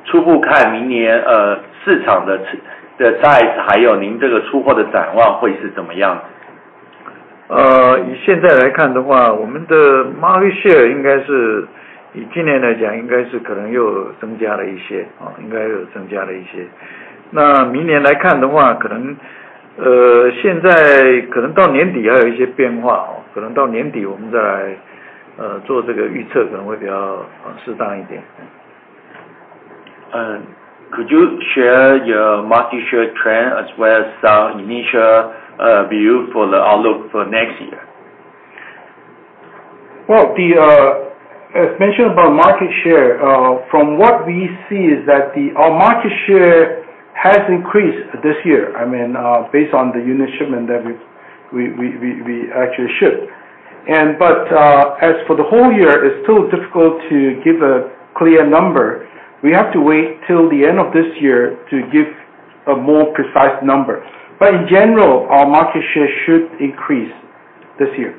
Could you share your market share trend as well as some initial view for the outlook for next year? Well, as mentioned about market share, from what we see is that our market share has increased this year, I mean based on the unit shipment that we actually ship. But as for the whole year, it's still difficult to give a clear number; we have to wait till the end of this year to give a more precise number. But in general, our market share should increase this year.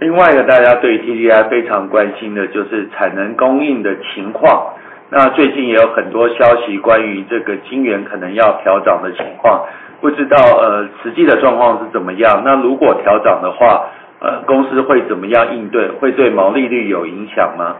另外大家对TDDI非常关心的就是产能供应的情况，最近也有很多消息关于这个晶圆可能要调涨的情况，不知道实际的状况是怎么样。如果调涨的话，公司会怎么样应对，会对毛利率有影响吗？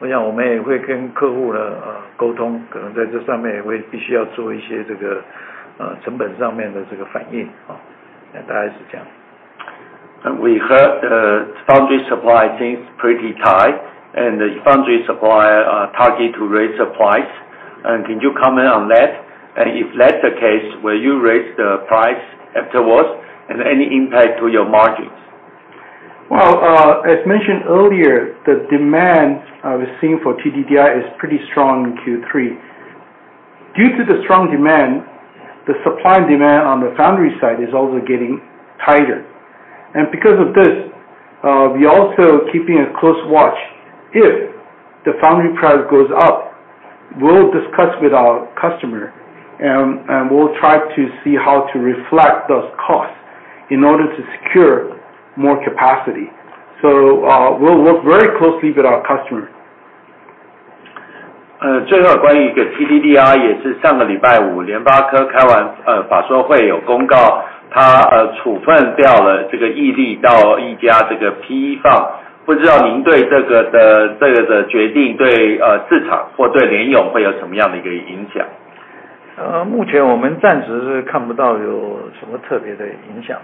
We heard the foundry supply things pretty tight, and the foundry supplier target to raise the price. Can you comment on that? And if that's the case, will you raise the price afterwards? And any impact to your margins? Well, as mentioned earlier, the demand we're seeing for TDDI is pretty strong in Q3. Due to the strong demand, the supply and demand on the foundry side is also getting tighter. And because of this, we are also keeping a close watch. If the foundry price goes up, we'll discuss with our customer, and we'll try to see how to reflect those costs in order to secure more capacity. So we'll work very closely with our customer. 最后关于一个TDDI，也是上个礼拜五联发科开完法说会有公告，他处分掉了这个毅力到一家这个PE Firm。不知道您对这个的决定对市场或对联咏会有什么样的一个影响？ 目前我们暂时是看不到有什么特别的影响。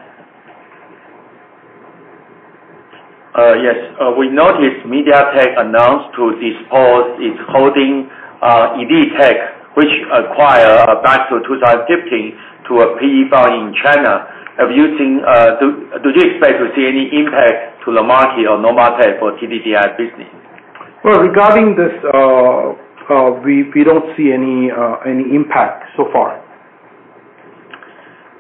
Yes, we noticed MediaTek announced to dispose its holding Ilitek, which acquired back to 2015 to a PE Firm in China. Have you seen? Do you expect to see any impact to the market or NomarTech for TDDI business? Well, regarding this, we don't see any impact so far.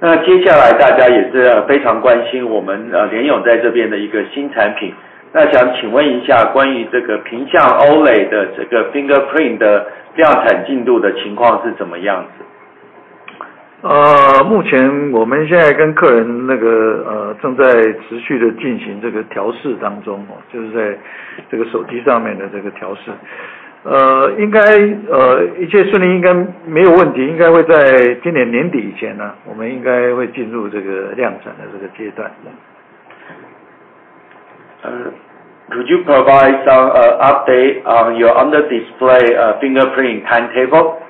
那接下来大家也是非常關心我們聯詠在這邊的一個新產品。那想請問一下關於這個屏下 OLED 的這個 fingerprint 的量產進度的情況是怎麼樣子？ 目前我們現在跟客人那個正在持續的進行這個調試當中，就是在這個手機上面的這個調試。應該一切順利應該沒有問題，應該會在今年年底以前呢，我們應該會進入這個量產的這個階段。Could you provide some update on your under display fingerprint timetable?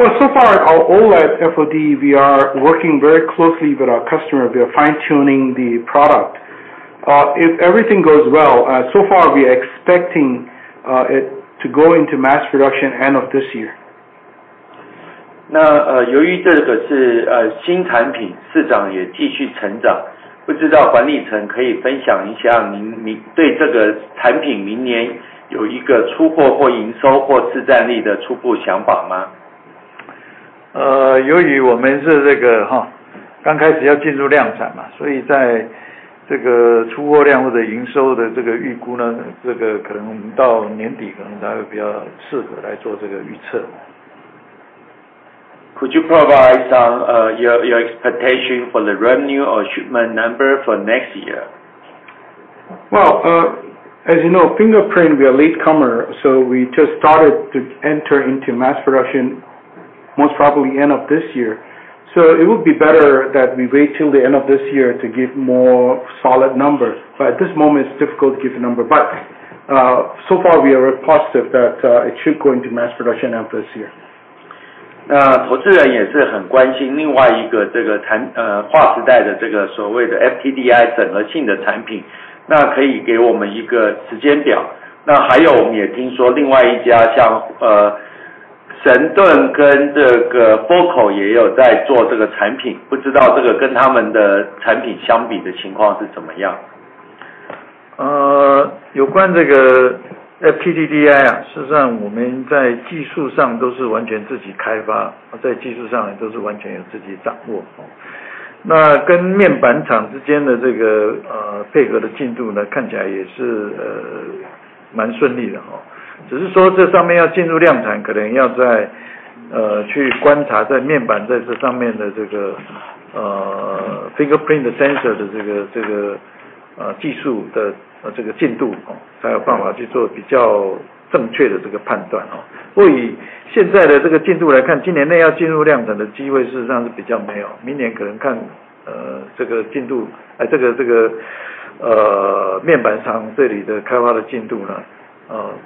Well, so far our OLED FOD, we are working very closely with our customer. We are fine-tuning the product. If everything goes well, so far we are expecting it to go into mass production end of this year. 那由於這個是新產品，市場也繼續成長。不知道管理層可以分享一下您對這個產品明年有一個出貨或營收或市佔率的初步想法嗎？ 由於我們是這個剛開始要進入量產嘛，所以在這個出貨量或者營收的這個預估呢，這個可能我們到年底可能才會比較適合來做這個預測。Could you provide some your expectation for the revenue or shipment number for next year? Well, as you know, fingerprint, we are late comer, so we just started to enter into mass production most probably end of this year. So it would be better that we wait till the end of this year to give more solid numbers. But at this moment, it's difficult to give a number. But so far we are positive that it should go into mass production end of this year. On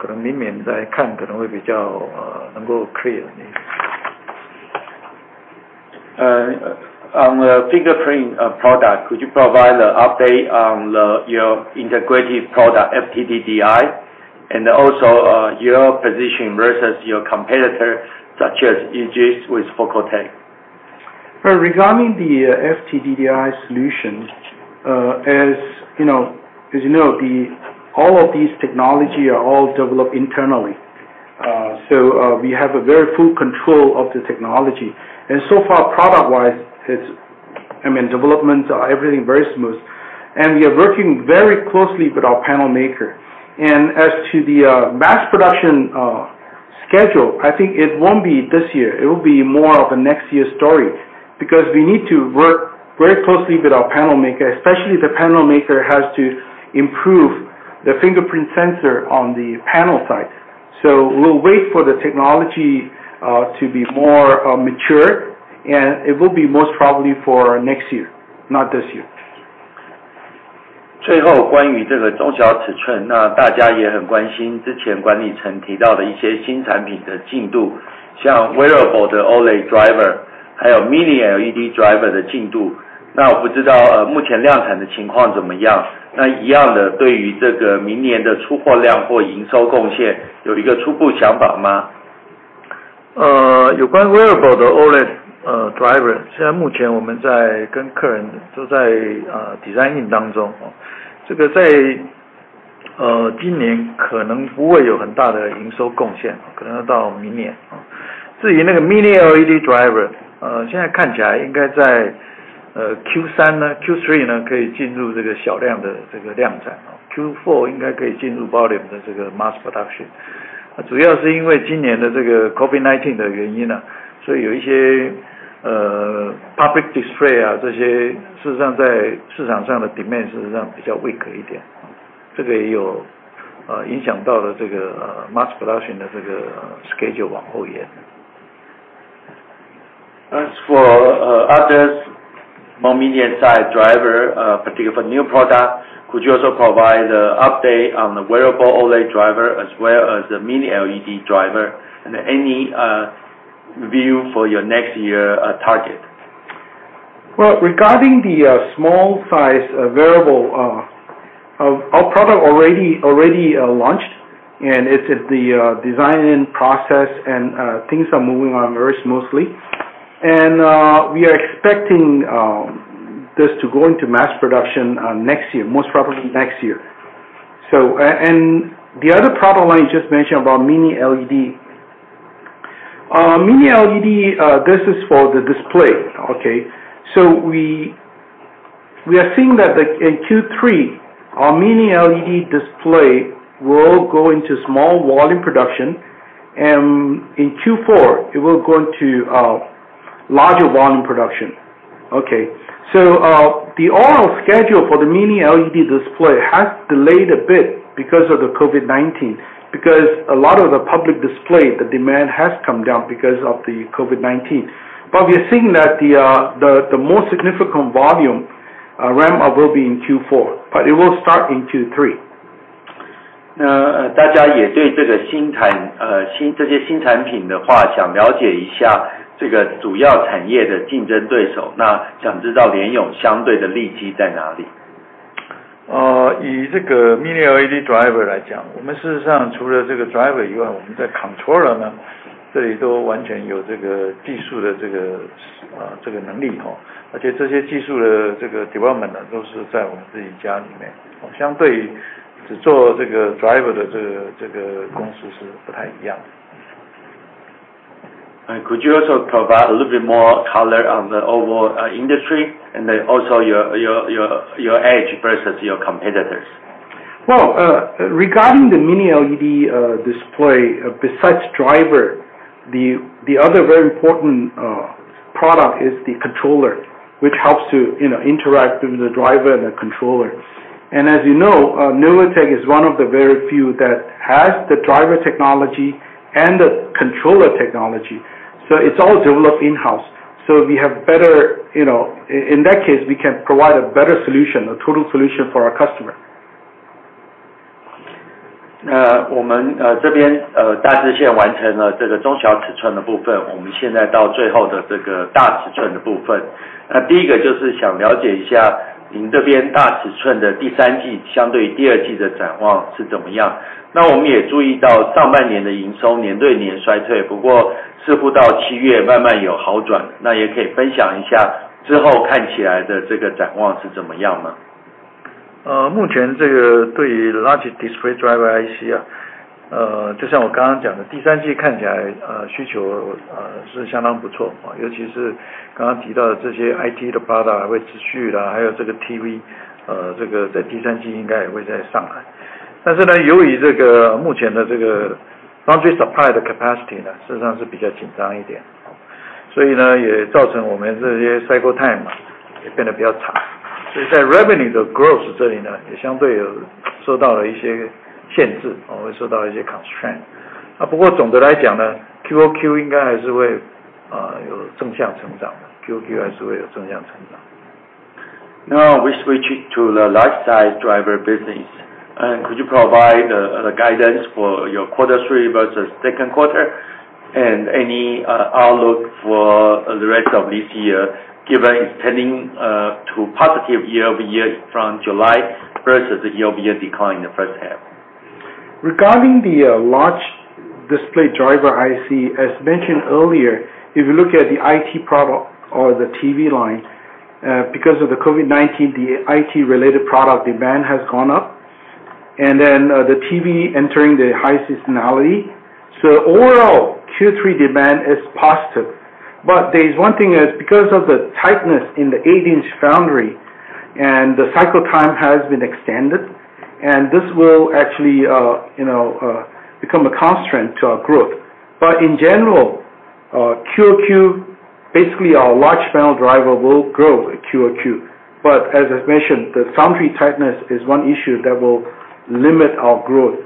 the fingerprint product, could you provide an update on your integrated product FTDI and also your position versus your competitor such as EGIS with FocalTech? Regarding the FTDI solution, as you know, all of these technologies are all developed internally. So we have very full control of the technology. So far product-wise, I mean developments are everything very smooth. We are working very closely with our panel maker. As to the mass production schedule, I think it won't be this year. It will be more of a next year story because we need to work very closely with our panel maker, especially the panel maker has to improve the fingerprint sensor on the panel side. So we'll wait for the technology to be more mature, and it will be most probably for next year, not this year. 最后关于这个中小尺寸，大家也很关心之前管理层提到的一些新产品的进度，像wearable的OLED driver还有mini LED driver的进度。我不知道目前量产的情况怎么样。对于明年的出货量或营收贡献有初步想法吗？ 有关wearable的OLED driver，现在目前我们在跟客人都在design in当中，这个在今年可能不会有很大的营收贡献，可能要到明年。至于那个mini LED driver，现在看起来应该在Q3，Q3可以进入这个小量的量产，Q4应该可以进入正点的mass production。主要是因为今年的COVID-19的原因，所以有一些public display，这些事实上在市场上的demand事实上比较weak一点，这个也有影响到了这个mass production的schedule往后延。As for others more mini size driver, particularly for new product, could you also provide an update on the wearable OLED driver as well as the mini LED driver, and any view for your next year target? Regarding the small size wearable, our product already launched, and it's in the design in process, and things are moving on very smoothly. We are expecting this to go into mass production next year, most probably next year. The other product line you just mentioned about mini LED, mini LED, this is for the display, okay? So we are seeing that in Q3 our mini LED display will go into small volume production, and in Q4 it will go into larger volume production. So the overall schedule for the mini LED display has delayed a bit because of the COVID-19, because a lot of the public display the demand has come down because of the COVID-19. But we are seeing that the most significant volume will be in Q4, but it will start in Q3. 大家也对这个新产这些新产品的话想了解一下这个主要产业的竞争对手，那想知道联咏相对的利基在哪里。以这个mini LED driver来讲，我们事实上除了这个driver以外，我们在controller呢，这里都完全有这个技术的这个能力，而且这些技术的这个development呢都是在我们自己家里面，相对于只做这个driver的这个公司是不太一样的。Could you also provide a little bit more color on the overall industry and also your edge versus your competitors? Well, regarding the mini LED display, besides driver, the other very important product is the controller, which helps to interact with the driver and the controller. And as you know, New A Tech is one of the very few that has the driver technology and the controller technology, so it's all developed in-house. So we have better, you know, in that case we can provide a better solution, a total solution for our customer. 我们这边大致线完成了这个中小尺寸的部分，我们现在到最后的这个大尺寸的部分。那第一个就是想了解一下您这边大尺寸的第三季相对于第二季的展望是怎么样。那我们也注意到上半年的营收年对年衰退，不过似乎到7月慢慢有好转，那也可以分享一下之后看起来的这个展望是怎么样吗？ 目前这个对于large display driver time也变得比较长。所以在revenue的growth这里呢，也相对有受到了一些限制，会受到一些constraint。不过总的来讲呢，QOQ应该还是会有正向成长的，QOQ还是会有正向成长。Now we switch to the large size driver business. Could you provide guidance for your Q3 versus Q2 and any outlook for the rest of this year given it's trending to positive year over year from July versus year over year decline in the first half? Regarding the large display driver IC, as mentioned earlier, if you look at the IT product or the TV line, because of the COVID-19, the IT related product demand has gone up, and then the TV entering the high seasonality. So overall Q3 demand is positive. But there is one thing because of the tightness in the 8-inch foundry and the cycle time has been extended, and this will actually become a constraint to our growth. But in general, QoQ basically our large panel driver will grow QoQ. But as I mentioned, the foundry tightness is one issue that will limit our growth.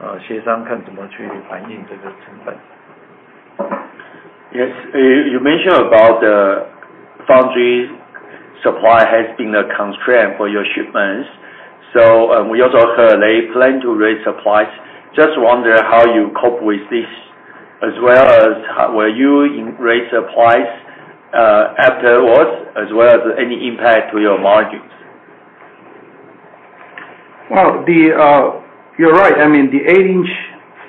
Yes, you mentioned about the foundry supply has been a constraint for your shipments, so we also heard they plan to raise supplies. Just wonder how you cope with this as well as were you raise supplies afterwards as well as any impact to your margins? Well, you're right, I mean the 8-inch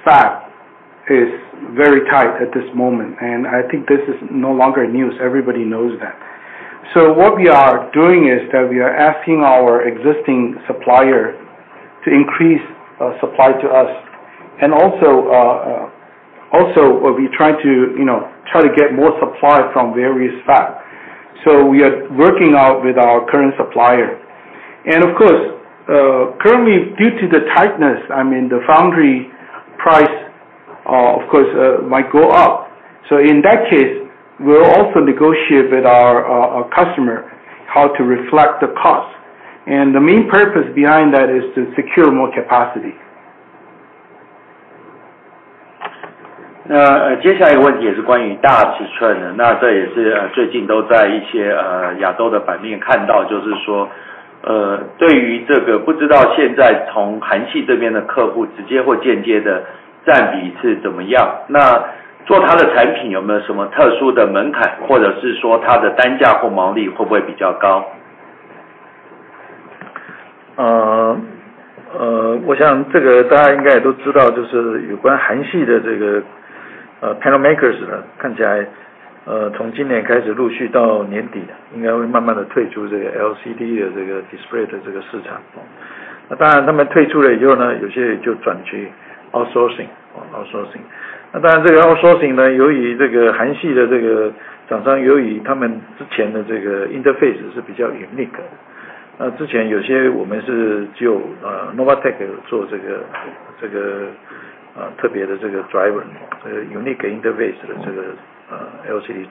fab is very tight at this moment, and I think this is no longer news, everybody knows that. So what we are doing is that we are asking our existing supplier to increase supply to us, and also we'll be trying to try to get more supply from various fabs. So we are working out with our current supplier. Of course, currently due to the tightness, I mean the foundry price of course might go up. So in that case, we'll also negotiate with our customer how to reflect the cost. The main purpose behind that is to secure more capacity.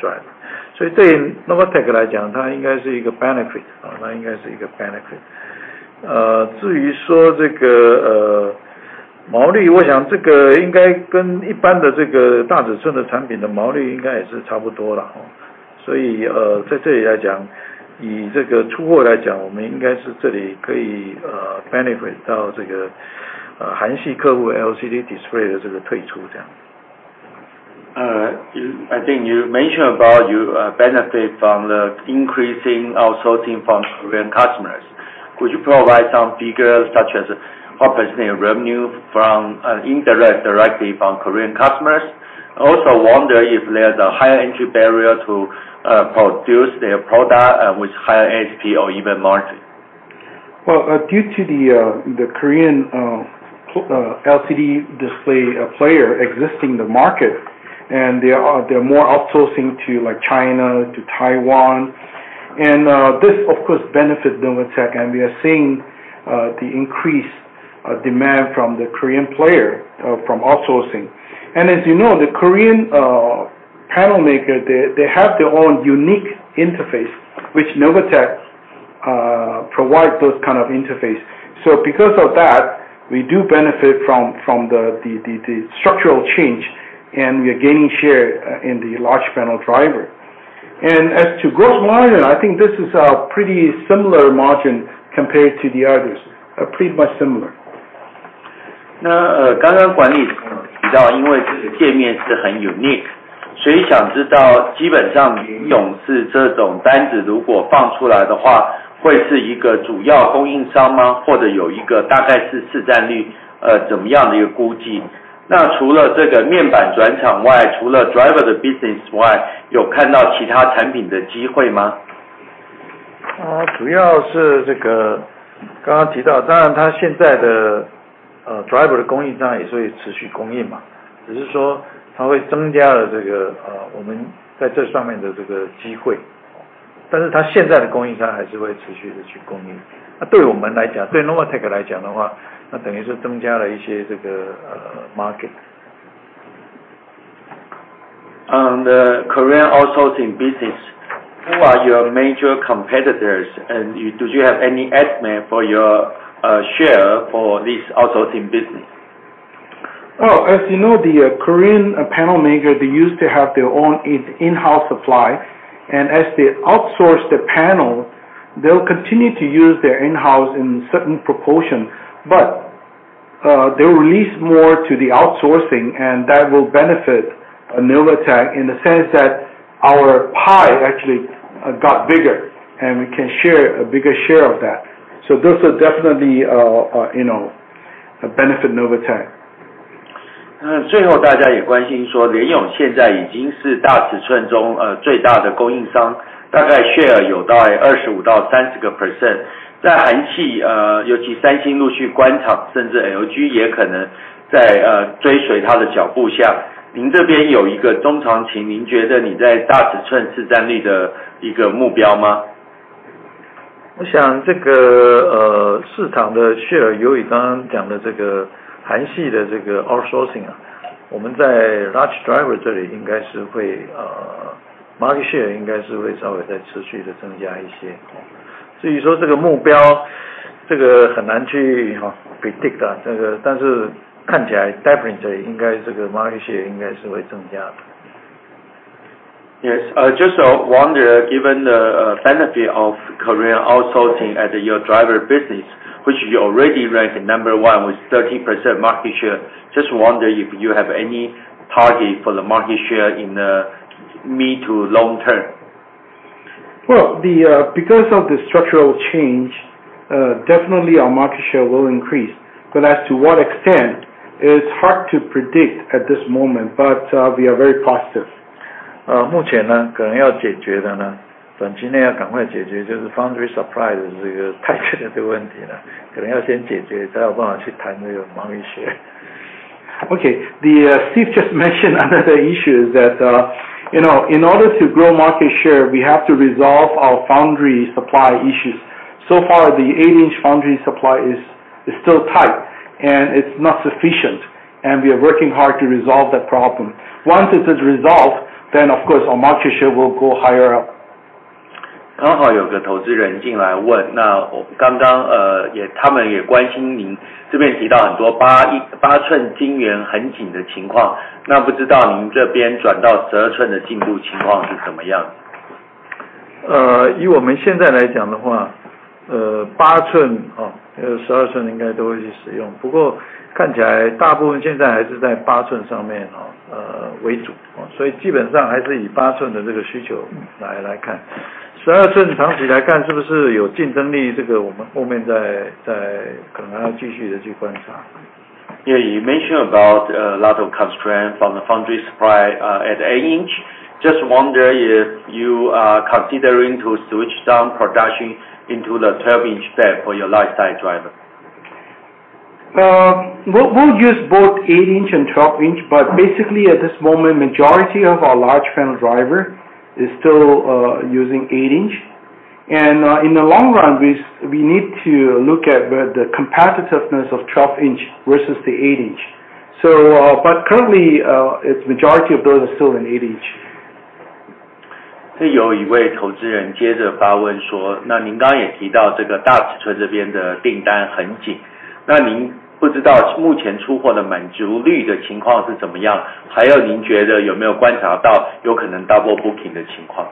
driver。所以对Novatech来讲，它应该是一个benefit，它应该是一个benefit。至于说这个毛利，我想这个应该跟一般的这个大尺寸的产品的毛利应该也是差不多了。所以在这里来讲，以这个出货来讲，我们应该是这里可以benefit到这个韩系客户LCD display的这个退出这样。I think you mentioned about you benefit from the increasing outsourcing from Korean customers. Could you provide some figures such as representative revenue from indirect directly from Korean customers? Also wonder if there's a higher entry barrier to produce their product with higher ASP or even margin? Well, due to the Korean LCD display player existing in the market, and they are more outsourcing to like China, to Taiwan, and this of course benefits Novatek, and we are seeing the increased demand from the Korean player from outsourcing. As you know, the Korean panel maker, they have their own unique interface, which Novatek provides those kind of interface. So because of that, we do benefit from the structural change, and we are gaining share in the large panel driver. As to gross margin, I think this is a pretty similar margin compared to the others, pretty much similar. 刚刚管理层提到，因为这个界面是很unique，所以想知道基本上联咏是这种单子如果放出来的话，会是一个主要供应商吗？或者有一个大概是市占率怎么样的一个估计？那除了这个面板转厂外，除了driver的business外，有看到其他产品的机会吗？ The Korean outsourcing business, who are your major competitors, and do you have any estimate for your share for this outsourcing business? Well, as you know, the Korean panel maker, they used to have their own in-house supply, and as they outsource the panel, they'll continue to use their in-house in certain proportion, but they'll release more to the outsourcing, and that will benefit Novatek in the sense that our pie actually got bigger, and we can share a bigger share of that. So those are definitely, you know, benefit Novatek. share应该是会稍微再持续的增加一些。至于说这个目标，这个很难去predict，但是看起来definitely应该这个market share应该是会增加的。Yes, just wonder given the benefit of Korean outsourcing at your driver business, which you already ranked number one with 30% market share, just wonder if you have any target for the market share in the mid to long term? Well, because of the structural change, definitely our market share will increase, but as to what extent is hard to predict at this moment, but we are very positive. 目前呢，可能要解决的呢，短期内要赶快解决就是foundry supply的这个tight的这个问题呢，可能要先解决才有办法去谈这个毛利share。Okay, Steve just mentioned another issue is that, you know, in order to grow market share, we have to resolve our foundry supply issues. So far, the 8-inch foundry supply is still tight, and it's not sufficient, and we are working hard to resolve that problem. Once it is resolved, then of course our market share will go higher up. Yeah, you mentioned about a lot of constraints from the foundry supply at 8-inch. Just wonder if you are considering to switch down production into the 12-inch stack for your life size driver. We'll use both 8-inch and 12-inch, but basically at this moment the majority of our large panel driver is still using 8-inch, and in the long run we need to look at the competitiveness of 12-inch versus the 8-inch. So, but currently the majority of those are still in 8-inch. 这有一位投资人接着发问说，那您刚刚也提到这个大尺寸这边的订单很紧，那您不知道目前出货的满足率的情况是怎么样，还有您觉得有没有观察到有可能double booking的情况？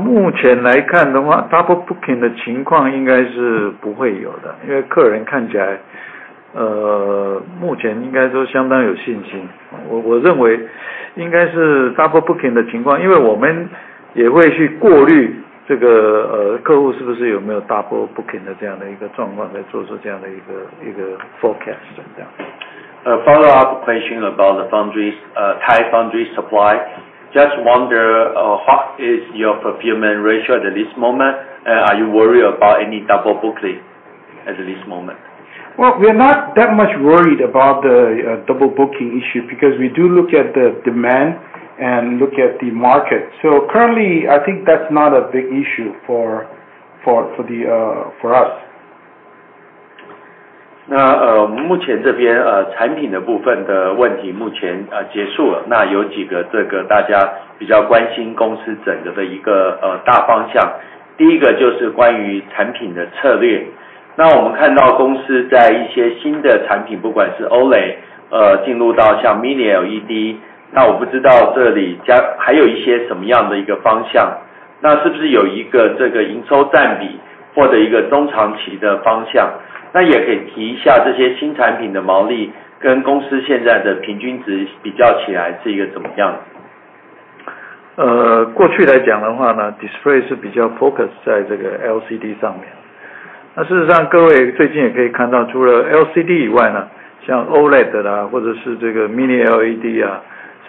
目前来看的话，double booking的情况应该是不会有的，因为客人看起来目前应该说相当有信心。我认为应该是double booking的情况，因为我们也会去过滤这个客户是不是有没有double booking的这样的一个状况，在做出这样的一个forecast。Follow up question about the foundry supply. Just wonder what is your procurement ratio at this moment, and are you worried about any double booking at this moment? Well, we are not that much worried about the double booking issue because we do look at the demand and look at the market. So currently I think that's not a big issue for us. 目前這邊產品的部分的問題目前結束了，那有幾個這個大家比較關心公司整個的一個大方向，第一個就是關於產品的策略。那我們看到公司在一些新的產品，不管是OLED進入到像mini LED，那我不知道這裡還有一些什麼樣的一個方向，那是不是有一個這個營收占比或者一個中長期的方向，那也可以提一下這些新產品的毛利跟公司現在的平均值比較起來是一個怎麼樣。過去來講的話呢，display是比較focus在這個LCD上面，那事實上各位最近也可以看到除了LCD以外呢，像OLED啦，或者是這個mini LED啊，甚至這個mini LED display或者mini LED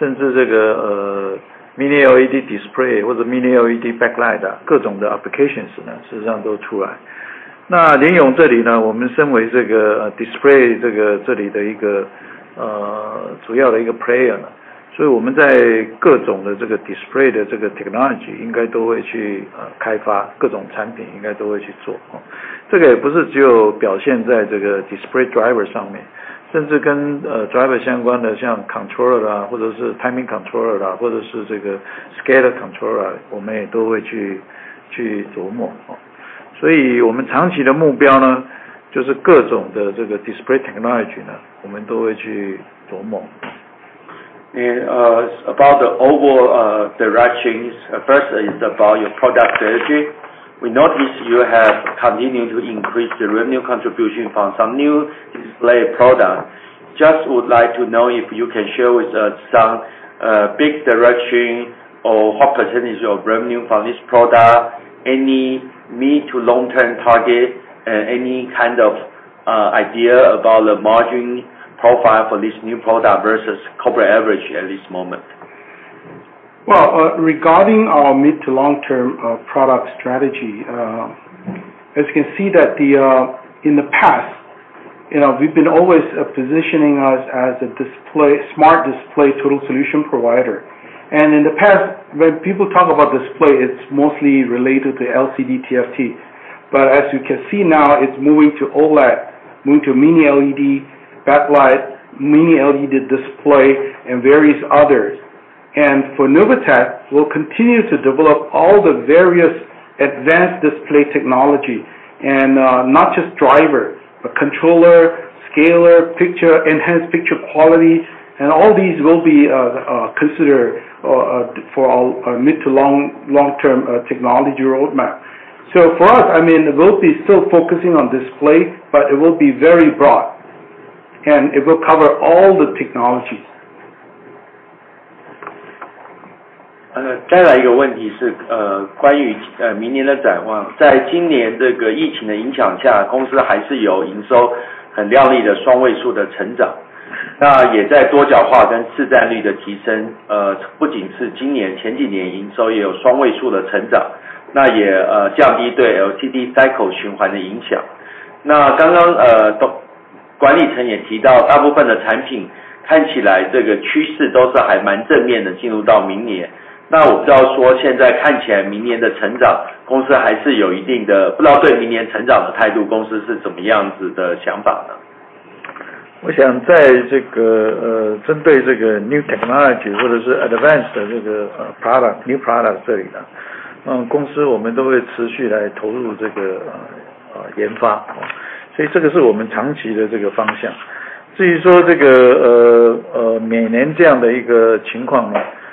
driver上面，甚至跟driver相關的像controller啦，或者是timing controller啦，或者是這個scale controller啦，我們也都會去琢磨。所以我們長期的目標呢，就是各種的這個display technology呢，我們都會去琢磨。About the overall directions, first is about your product strategy. We notice you have continued to increase the revenue contribution from some new display product. Just would like to know if you can share with us some big direction or what percentage of revenue from this product, any mid to long term target, and any kind of idea about the margin profile for this new product versus corporate average at this moment. Well, regarding our mid to long term product strategy, as you can see that in the past, we've been always positioning us as a smart display total solution provider, and in the past when people talk about display it's mostly related to LCD TFT, but as you can see now it's moving to OLED, moving to mini LED backlight, mini LED display, and various others. And for Novatek, we'll continue to develop all the various advanced display technology, and not just driver, but controller, scaler, enhanced picture quality, and all these will be considered for our mid to long term technology roadmap. So for us, we'll be still focusing on display, but it will be very broad, and it will cover all the technologies. 我想在这个针对这个new technology或者是advanced的这个product new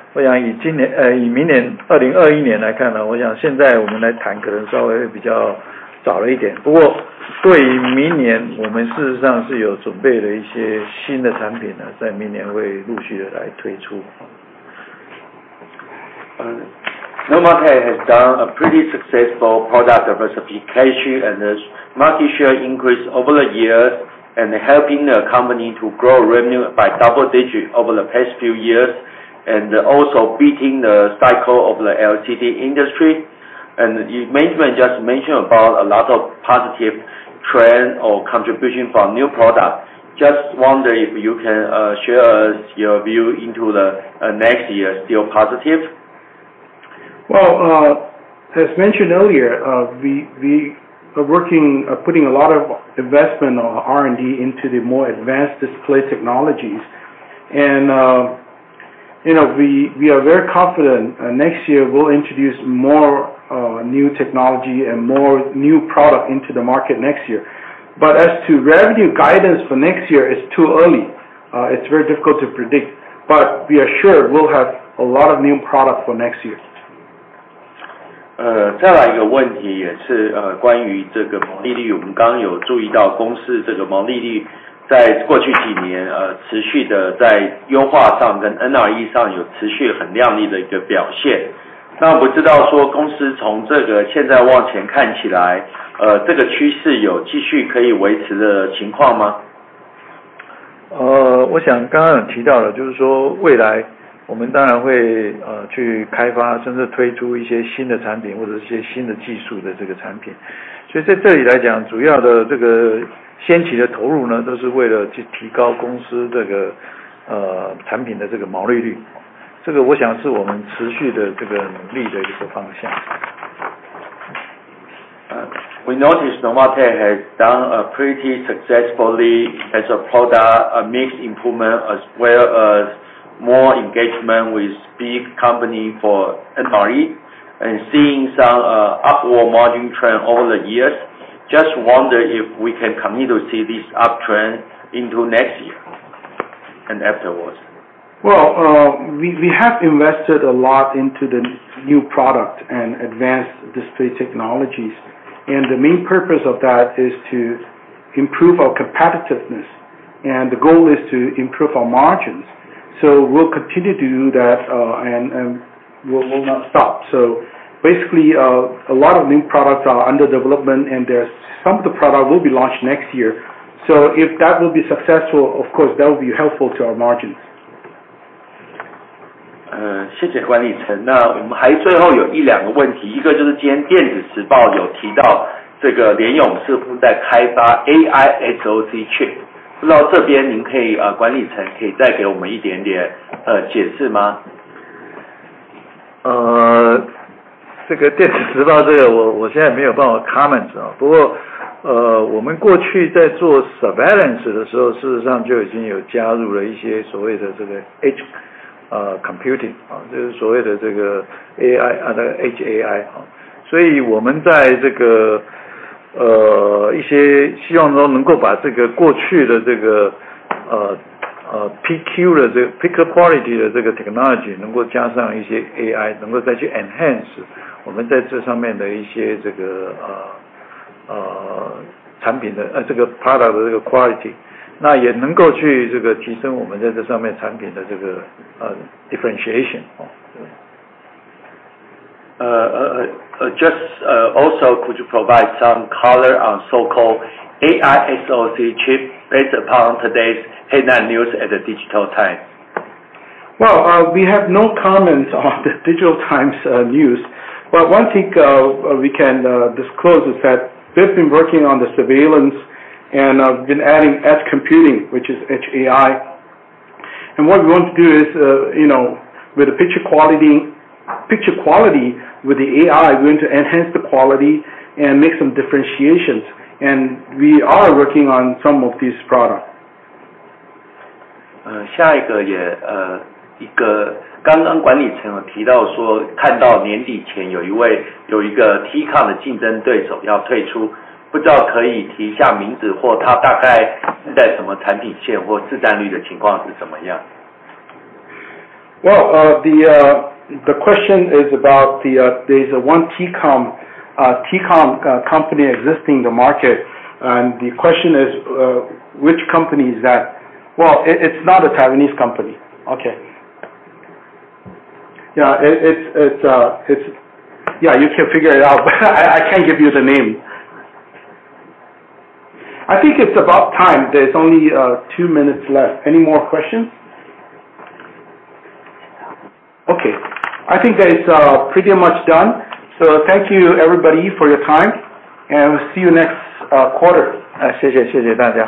product这里呢，公司我们都会持续来投入这个研发，所以这个是我们长期的这个方向。至于说这个每年这样的一个情况呢，我想以今年以明年2021年来看呢，我想现在我们来谈可能稍微比较早了一点，不过对于明年我们事实上是有准备了一些新的产品呢，在明年会陆续的来推出。Novatek has done a pretty successful product diversification and market share increase over the years, helping the company to grow revenue by double digit over the past few years, and also beating the cycle of the LCD industry. You just mentioned about a lot of positive trend or contribution from new product. Just wonder if you can share your view into the next year still positive. As mentioned earlier, we are putting a lot of investment on R&D into the more advanced display technologies, and we are very confident next year we'll introduce more new technology and more new product into the market next year, but as to revenue guidance for next year it's too early, it's very difficult to predict, but we are sure we'll have a lot of new product for next year. 我想刚刚有提到了就是说未来我们当然会去开发甚至推出一些新的产品或者是一些新的技术的这个产品，所以在这里来讲主要的这个先期的投入呢都是为了去提高公司这个产品的这个毛利率，这个我想是我们持续的这个努力的一个方向。We notice Novatek has done pretty successfully as a product mix improvement as well as more engagement with big company for NRE and seeing some upward margin trend over the years. Just wonder if we can continue to see this uptrend into next year and afterwards. We have invested a lot into the new product and advanced display technologies, and the main purpose of that is to improve our competitiveness, and the goal is to improve our margins, so we'll continue to do that and we'll not stop. Basically a lot of new products are under development and some of the products will be launched next year, so if that will be successful of course that will be helpful to our margins. 谢谢管理层，那我们还最后有一两个问题，一个就是今天电子时报有提到这个联咏似乎在开发AI SoC chip，不知道这边您可以管理层可以再给我们一点点解释吗？ 这个电子时报这个我现在没有办法comment，不过我们过去在做surveillance的时候事实上就已经有加入了一些所谓的这个edge computing，就是所谓的这个AI edge AI，所以我们在这个一些希望说能够把这个过去的这个PQ的这个picker quality的这个technology能够加上一些AI能够再去enhance我们在这上面的一些这个产品的这个product的这个quality，那也能够去这个提升我们在这上面产品的这个differentiation。Just also could you provide some color on so-called AI SoC chip based upon today's headline news at the DigiTime? Well, we have no comment on the DigiTimes news, but one thing we can disclose is that we've been working on the surveillance and we've been adding edge computing which is edge AI, and what we want to do is you know with the picture quality with the AI we want to enhance the quality and make some differentiations, and we are working on some of these products. 下一个也一个刚刚管理层有提到说看到年底前有一位有一个TCOM的竞争对手要退出，不知道可以提一下名字或他大概是在什么产品线或市占率的情况是怎么样。Well, the question is about there is one TCOM company existing in the market and the question is which company is that? It's not a Taiwanese company. Yeah, you can figure it out but I can't give you the name. I think it's about time, there's only two minutes left, any more questions? I think that it's pretty much done, so thank you everybody for your time and we'll see you next quarter. 谢谢谢谢大家。